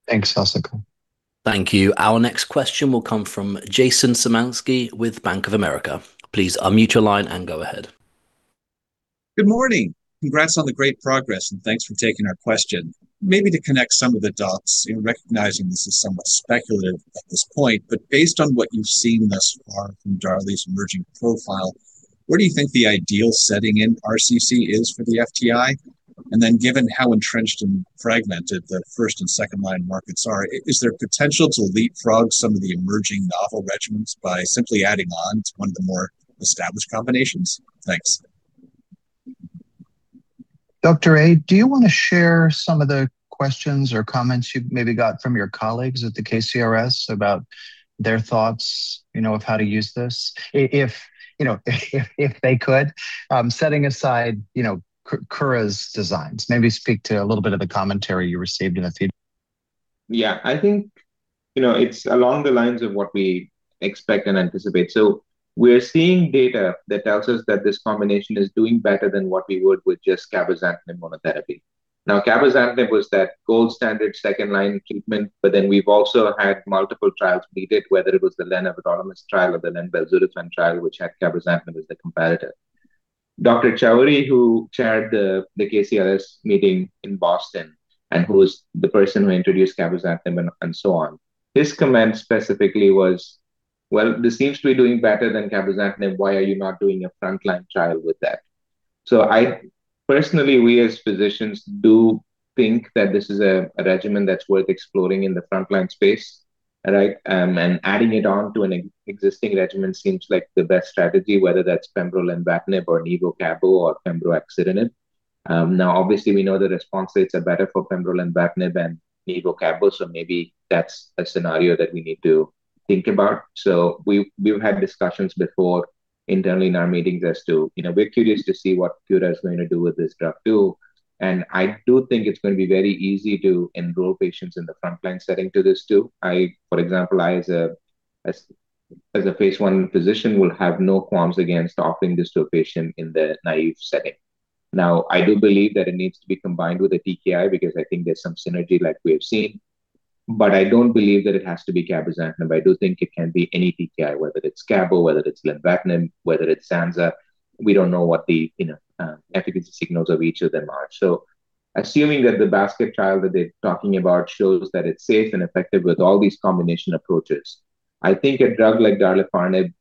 Thanks, Asthika. Thank you. Our next question will come from Jason Zemansky with Bank of America. Please unmute your line and go ahead. Good morning. Congrats on the great progress and thanks for taking our question. Maybe to connect some of the dots in recognizing this is somewhat speculative at this point, based on what you've seen thus far from Darly's emerging profile, where do you think the ideal setting in RCC is for the FTI? Given how entrenched and fragmented the first and second-line markets are, is there potential to leapfrog some of the emerging novel regimens by simply adding on to one of the more established combinations? Thanks. Dr. A, do you want to share some of the questions or comments you've maybe got from your colleagues at the IKCS about their thoughts, of how to use this? If they could, setting aside Kura's designs, maybe speak to a little bit of the commentary you received in the theater. I think, it's along the lines of what we expect and anticipate. We're seeing data that tells us that this combination is doing better than what we would with just cabozantinib monotherapy. cabozantinib was that gold standard second-line treatment. We've also had multiple trials beat it, whether it was the lenvatinib trial or the lenvatinib trial, which had cabozantinib as the competitor. Dr. Chowdhury, who chaired the KCRS meeting in Boston and who is the person who introduced cabozantinib and so on. His comment specifically was, "Well, this seems to be doing better than cabozantinib. Why are you not doing a frontline trial with that?" I personally, we as physicians, do think that this is a regimen that's worth exploring in the frontline space, right? Adding it on to an existing regimen seems like the best strategy, whether that's pembro and vucanib or nivo cabo or pembro axitinib. Obviously, we know the response rates are better for pembro and vucanib than nivo cabo. Maybe that's a scenario that we need to think about. We've had discussions before internally in our meetings as to, we're curious to see what Kura is going to do with this drug, too. I do think it's going to be very easy to enroll patients in the frontline setting to this, too. For example, I as a phase I physician will have no qualms against offering this to a patient in the naive setting. I do believe that it needs to be combined with a TKI because I think there's some synergy like we have seen. I don't believe that it has to be cabozantinib. I do think it can be any TKI, whether it's cabo, whether it's lenvatinib, whether it's Sutent. We don't know what the efficacy signals of each of them are. Assuming that the basket trial that they're talking about shows that it's safe and effective with all these combination approaches, I think a drug like darlifarnib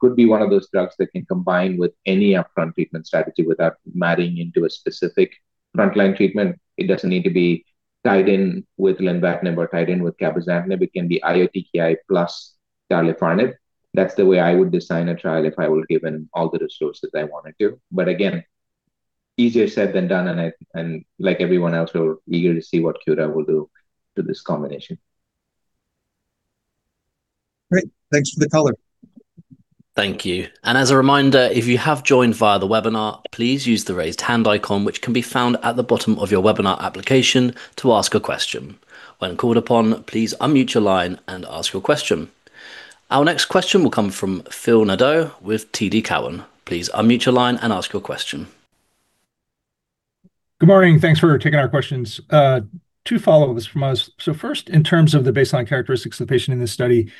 could be one of those drugs that can combine with any upfront treatment strategy without marrying into a specific frontline treatment. It doesn't need to be tied in with lenvatinib or tied in with cabozantinib. It can be IO TKI plus darlifarnib. That's the way I would design a trial if I were given all the resources I want to do. Again, easier said than done. Like everyone else, we're eager to see what Kura will do to this combination. Great. Thanks for the color. Thank you. As a reminder, if you have joined via the webinar, please use the raised hand icon, which can be found at the bottom of your webinar application to ask a question. When called upon, please unmute your line and ask your question. Our next question will come from Phil Nadeau with TD Cowen. Please unmute your line and ask your question. Good morning. Thanks for taking our questions. Two follow-ups from us. First, in terms of the baseline characteristics of the patient in this study,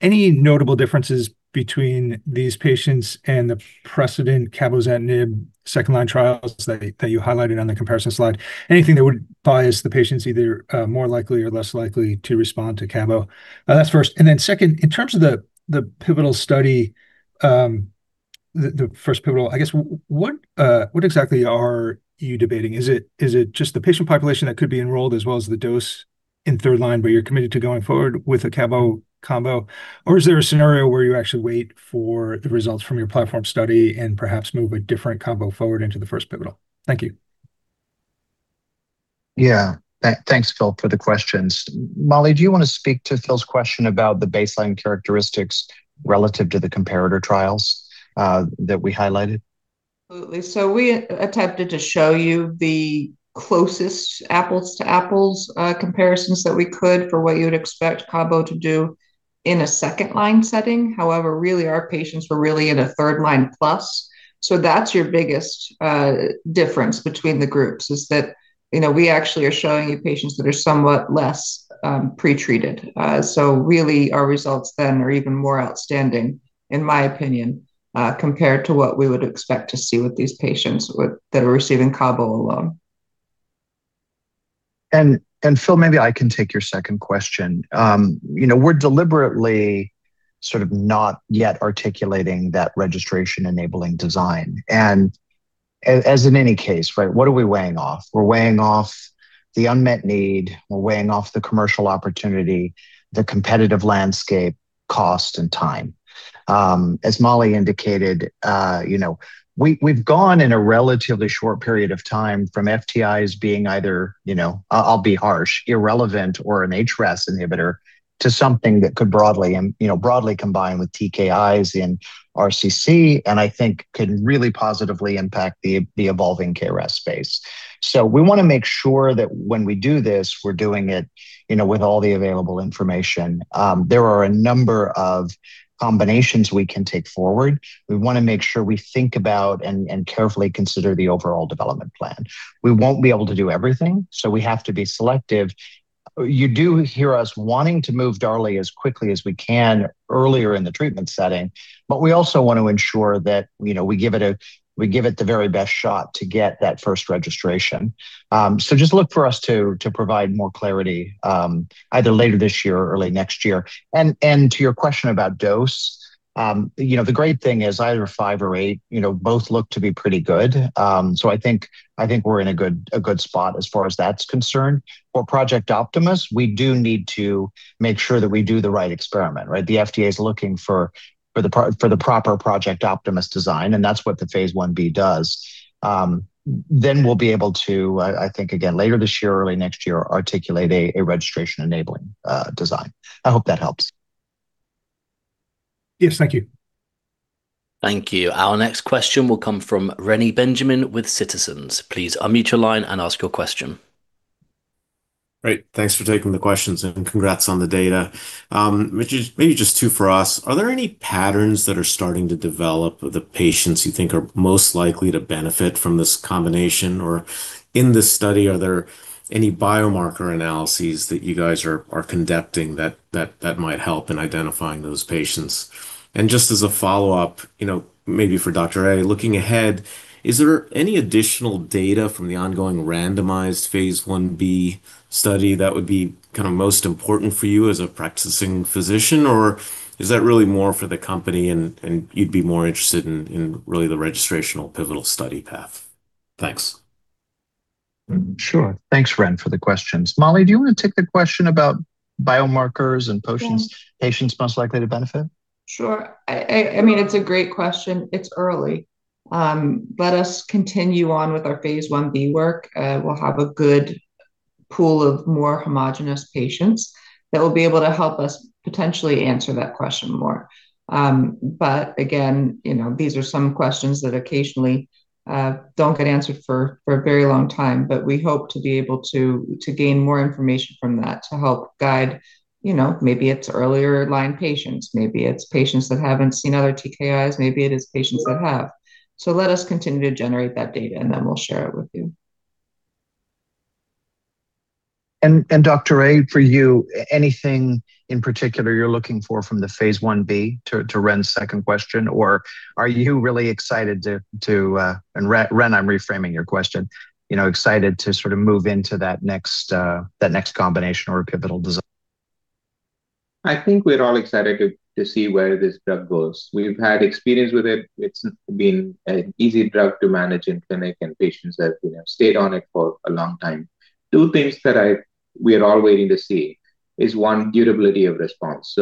any notable differences between these patients and the precedent cabozantinib second-line trials that you highlighted on the comparison slide? Anything that would bias the patients, either more likely or less likely to respond to cabo? That's first. Then second, in terms of the pivotal study, the first pivotal, I guess, what exactly are you debating? Is it just the patient population that could be enrolled as well as the dose in third-line, but you're committed to going forward with a cabo combo? Or is there a scenario where you actually wait for the results from your platform study and perhaps move a different combo forward into the first pivotal? Thank you. Yeah. Thanks, Phil, for the questions. Mollie, do you want to speak to Phil's question about the baseline characteristics relative to the comparator trials that we highlighted? Absolutely. We attempted to show you the closest apples to apples comparisons that we could for what you'd expect cabo to do in a second-line setting. However, really, our patients were really in a third-line plus. That's your biggest difference between the groups is that we actually are showing you patients that are somewhat less pretreated. Really, our results then are even more outstanding, in my opinion, compared to what we would expect to see with these patients that are receiving cabo alone. Phil, maybe I can take your second question. We're deliberately sort of not yet articulating that registration-enabling design. As in any case, what are we weighing off? We're weighing off the unmet need. We're weighing off the commercial opportunity, the competitive landscape, cost, and time. As Mollie indicated, we've gone in a relatively short period of time from FTIs being either, I'll be harsh, irrelevant or a HIF-2 alpha inhibitor, to something that could broadly combine with TKIs in RCC and I think could really positively impact the evolving KRAS space. We want to make sure that when we do this, we're doing it with all the available information. There are a number of combinations we can take forward. We want to make sure we think about and carefully consider the overall development plan. We won't be able to do everything, so we have to be selective. You do hear us wanting to move DARLi as quickly as we can earlier in the treatment setting. We also want to ensure that we give it the very best shot to get that first registration. Just look for us to provide more clarity either later this year or early next year. To your question about dose, the great thing is either five or eight, both look to be pretty good. I think we're in a good spot as far as that's concerned. For Project Optimus, we do need to make sure that we do the right experiment, right? The FDA is looking for the proper Project Optimus design, and that's what the phase I-B does. We'll be able to, I think again, later this year or early next year, articulate a registration-enabling design. I hope that helps. Yes. Thank you. Thank you. Our next question will come from Reni Benjamin with Citizens. Please unmute your line and ask your question. Great. Thanks for taking the questions and congrats on the data. Maybe just two for us. Are there any patterns that are starting to develop of the patients you think are most likely to benefit from this combination? In this study, are there any biomarker analyses that you guys are conducting that might help in identifying those patients? Just as a follow-up, maybe for Dr. A, looking ahead, is there any additional data from the ongoing randomized phase I-B study that would be most important for you as a practicing physician, or is that really more for the company and you'd be more interested in really the registrational pivotal study path? Thanks. Sure. Thanks, Reni, for the questions. Mollie, do you want to take the question about biomarkers and- Sure patients most likely to benefit? Sure. It's a great question. It's early. Let us continue on with our phase I-B work. We'll have a good pool of more homogenous patients that will be able to help us potentially answer that question more. Again, these are some questions that occasionally don't get answered for a very long time. We hope to be able to gain more information from that to help guide, maybe it's earlier line patients, maybe it's patients that haven't seen other TKIs, maybe it is patients that have. Let us continue to generate that data, and then we'll share it with you. Dr. A, for you, anything in particular you're looking for from the phase I-B to Reni's second question, or are you really excited to, and Reni, I'm reframing your question, excited to sort of move into that next combination or pivotal design? I think we're all excited to see where this drug goes. We've had experience with it. It's been an easy drug to manage in clinic, and patients have stayed on it for a long time. Two things that we are all waiting to see is, one, durability of response.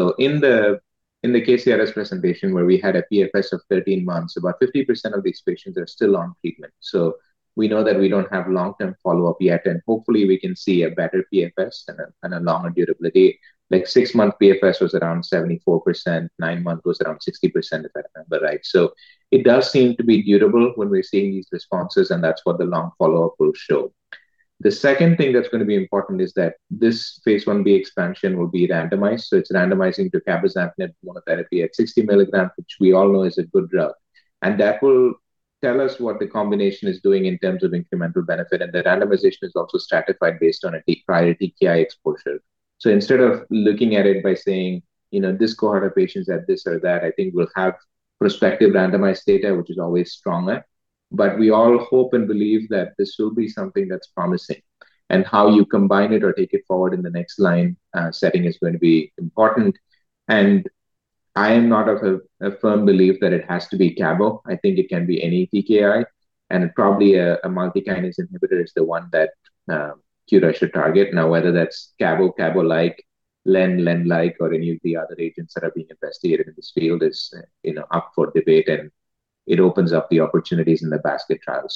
In the KCRS presentation where we had a PFS of 13 months, about 50% of these patients are still on treatment. We know that we don't have long-term follow-up yet, and hopefully we can see a better PFS and a longer durability. Like six-month PFS was around 74%, nine-month was around 60%, if I remember right. It does seem to be durable when we're seeing these responses, and that's what the long follow-up will show. The second thing that's going to be important is that this phase I-B expansion will be randomized, it's randomizing to cabozantinib monotherapy at 60 mg, which we all know is a good drug. That will tell us what the combination is doing in terms of incremental benefit, and the randomization is also stratified based on a prior TKI exposure. Instead of looking at it by saying, "This cohort of patients had this or that," I think we'll have prospective randomized data, which is always stronger. We all hope and believe that this will be something that's promising, and how you combine it or take it forward in the next line setting is going to be important. I am not of a firm belief that it has to be cabo. I think it can be any TKI, and probably a multi-kinase inhibitor is the one that Kura should target. Now, whether that's cabo-like, len-like, or any of the other agents that are being investigated in this field is up for debate, and it opens up the opportunities in the basket trial.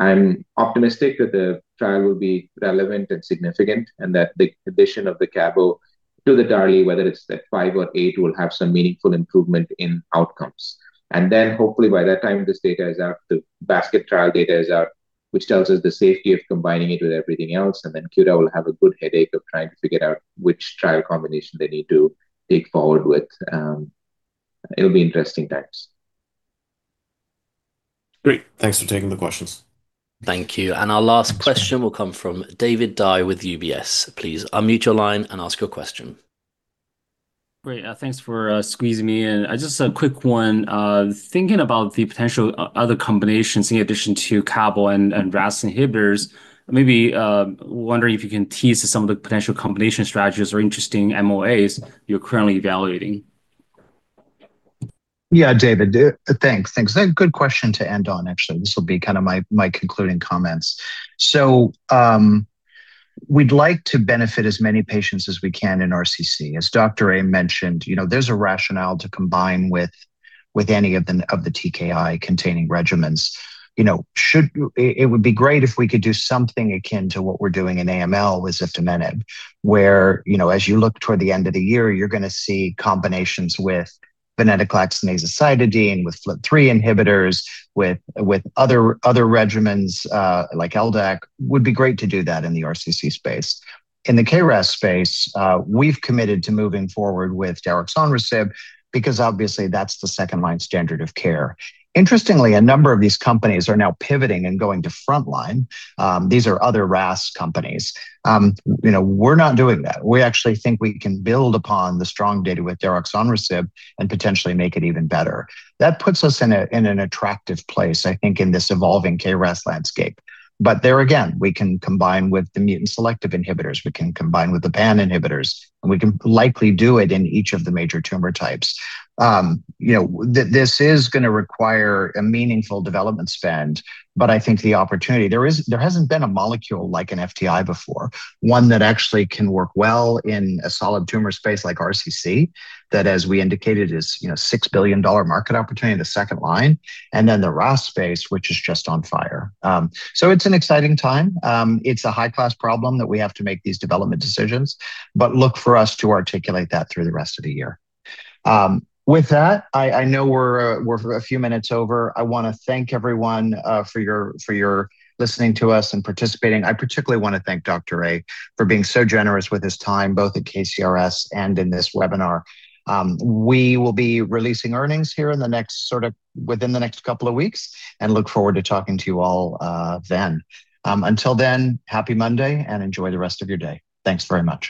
I'm optimistic that the trial will be relevant and significant, and that the addition of the cabo to the darlifarnib, whether it's at five or eight, will have some meaningful improvement in outcomes. Hopefully by that time this data is out, the basket trial data is out, which tells us the safety of combining it with everything else, and then Kura will have a good headache of trying to figure out which trial combination they need to take forward with. It'll be interesting times. Great. Thanks for taking the questions. Thank you. Our last question will come from David Dai with UBS. Please unmute your line and ask your question. Great. Thanks for squeezing me in. Just a quick one. Thinking about the potential other combinations in addition to cabo and RAS inhibitors, maybe wondering if you can tease some of the potential combination strategies or interesting MOAs you're currently evaluating. David. Thanks. A good question to end on, actually. This will be my concluding comments. We'd like to benefit as many patients as we can in RCC. As Dr. A mentioned, there's a rationale to combine with any of the TKI-containing regimens. It would be great if we could do something akin to what we're doing in AML with ziftomenib, where, as you look toward the end of the year, you're going to see combinations with venetoclax and azacitidine, with FLT3 inhibitors, with other regimens, like LDAC. Would be great to do that in the RCC space. In the K RAS space, we've committed to moving forward with adagrasib, because obviously that's the second-line standard of care. Interestingly, a number of these companies are now pivoting and going to frontline. These are other RAS companies. We're not doing that. We actually think we can build upon the strong data with daraxonrasib and potentially make it even better. That puts us in an attractive place, I think, in this evolving KRAS landscape. There again, we can combine with the mutant selective inhibitors, we can combine with the pan inhibitors, and we can likely do it in each of the major tumor types. This is going to require a meaningful development spend, but I think the opportunity. There hasn't been a molecule like an FTI before, one that actually can work well in a solid tumor space like RCC, that as we indicated, is a $6 billion market opportunity in the second line, and then the RAS space, which is just on fire. It's an exciting time. It's a high-class problem that we have to make these development decisions, but look for us to articulate that through the rest of the year. With that, I know we're a few minutes over. I want to thank everyone for your listening to us and participating. I particularly want to thank Dr. A for being so generous with his time, both at KCRS and in this webinar. We will be releasing earnings here within the next couple of weeks, and look forward to talking to you all then. Until then, happy Monday and enjoy the rest of your day. Thanks very much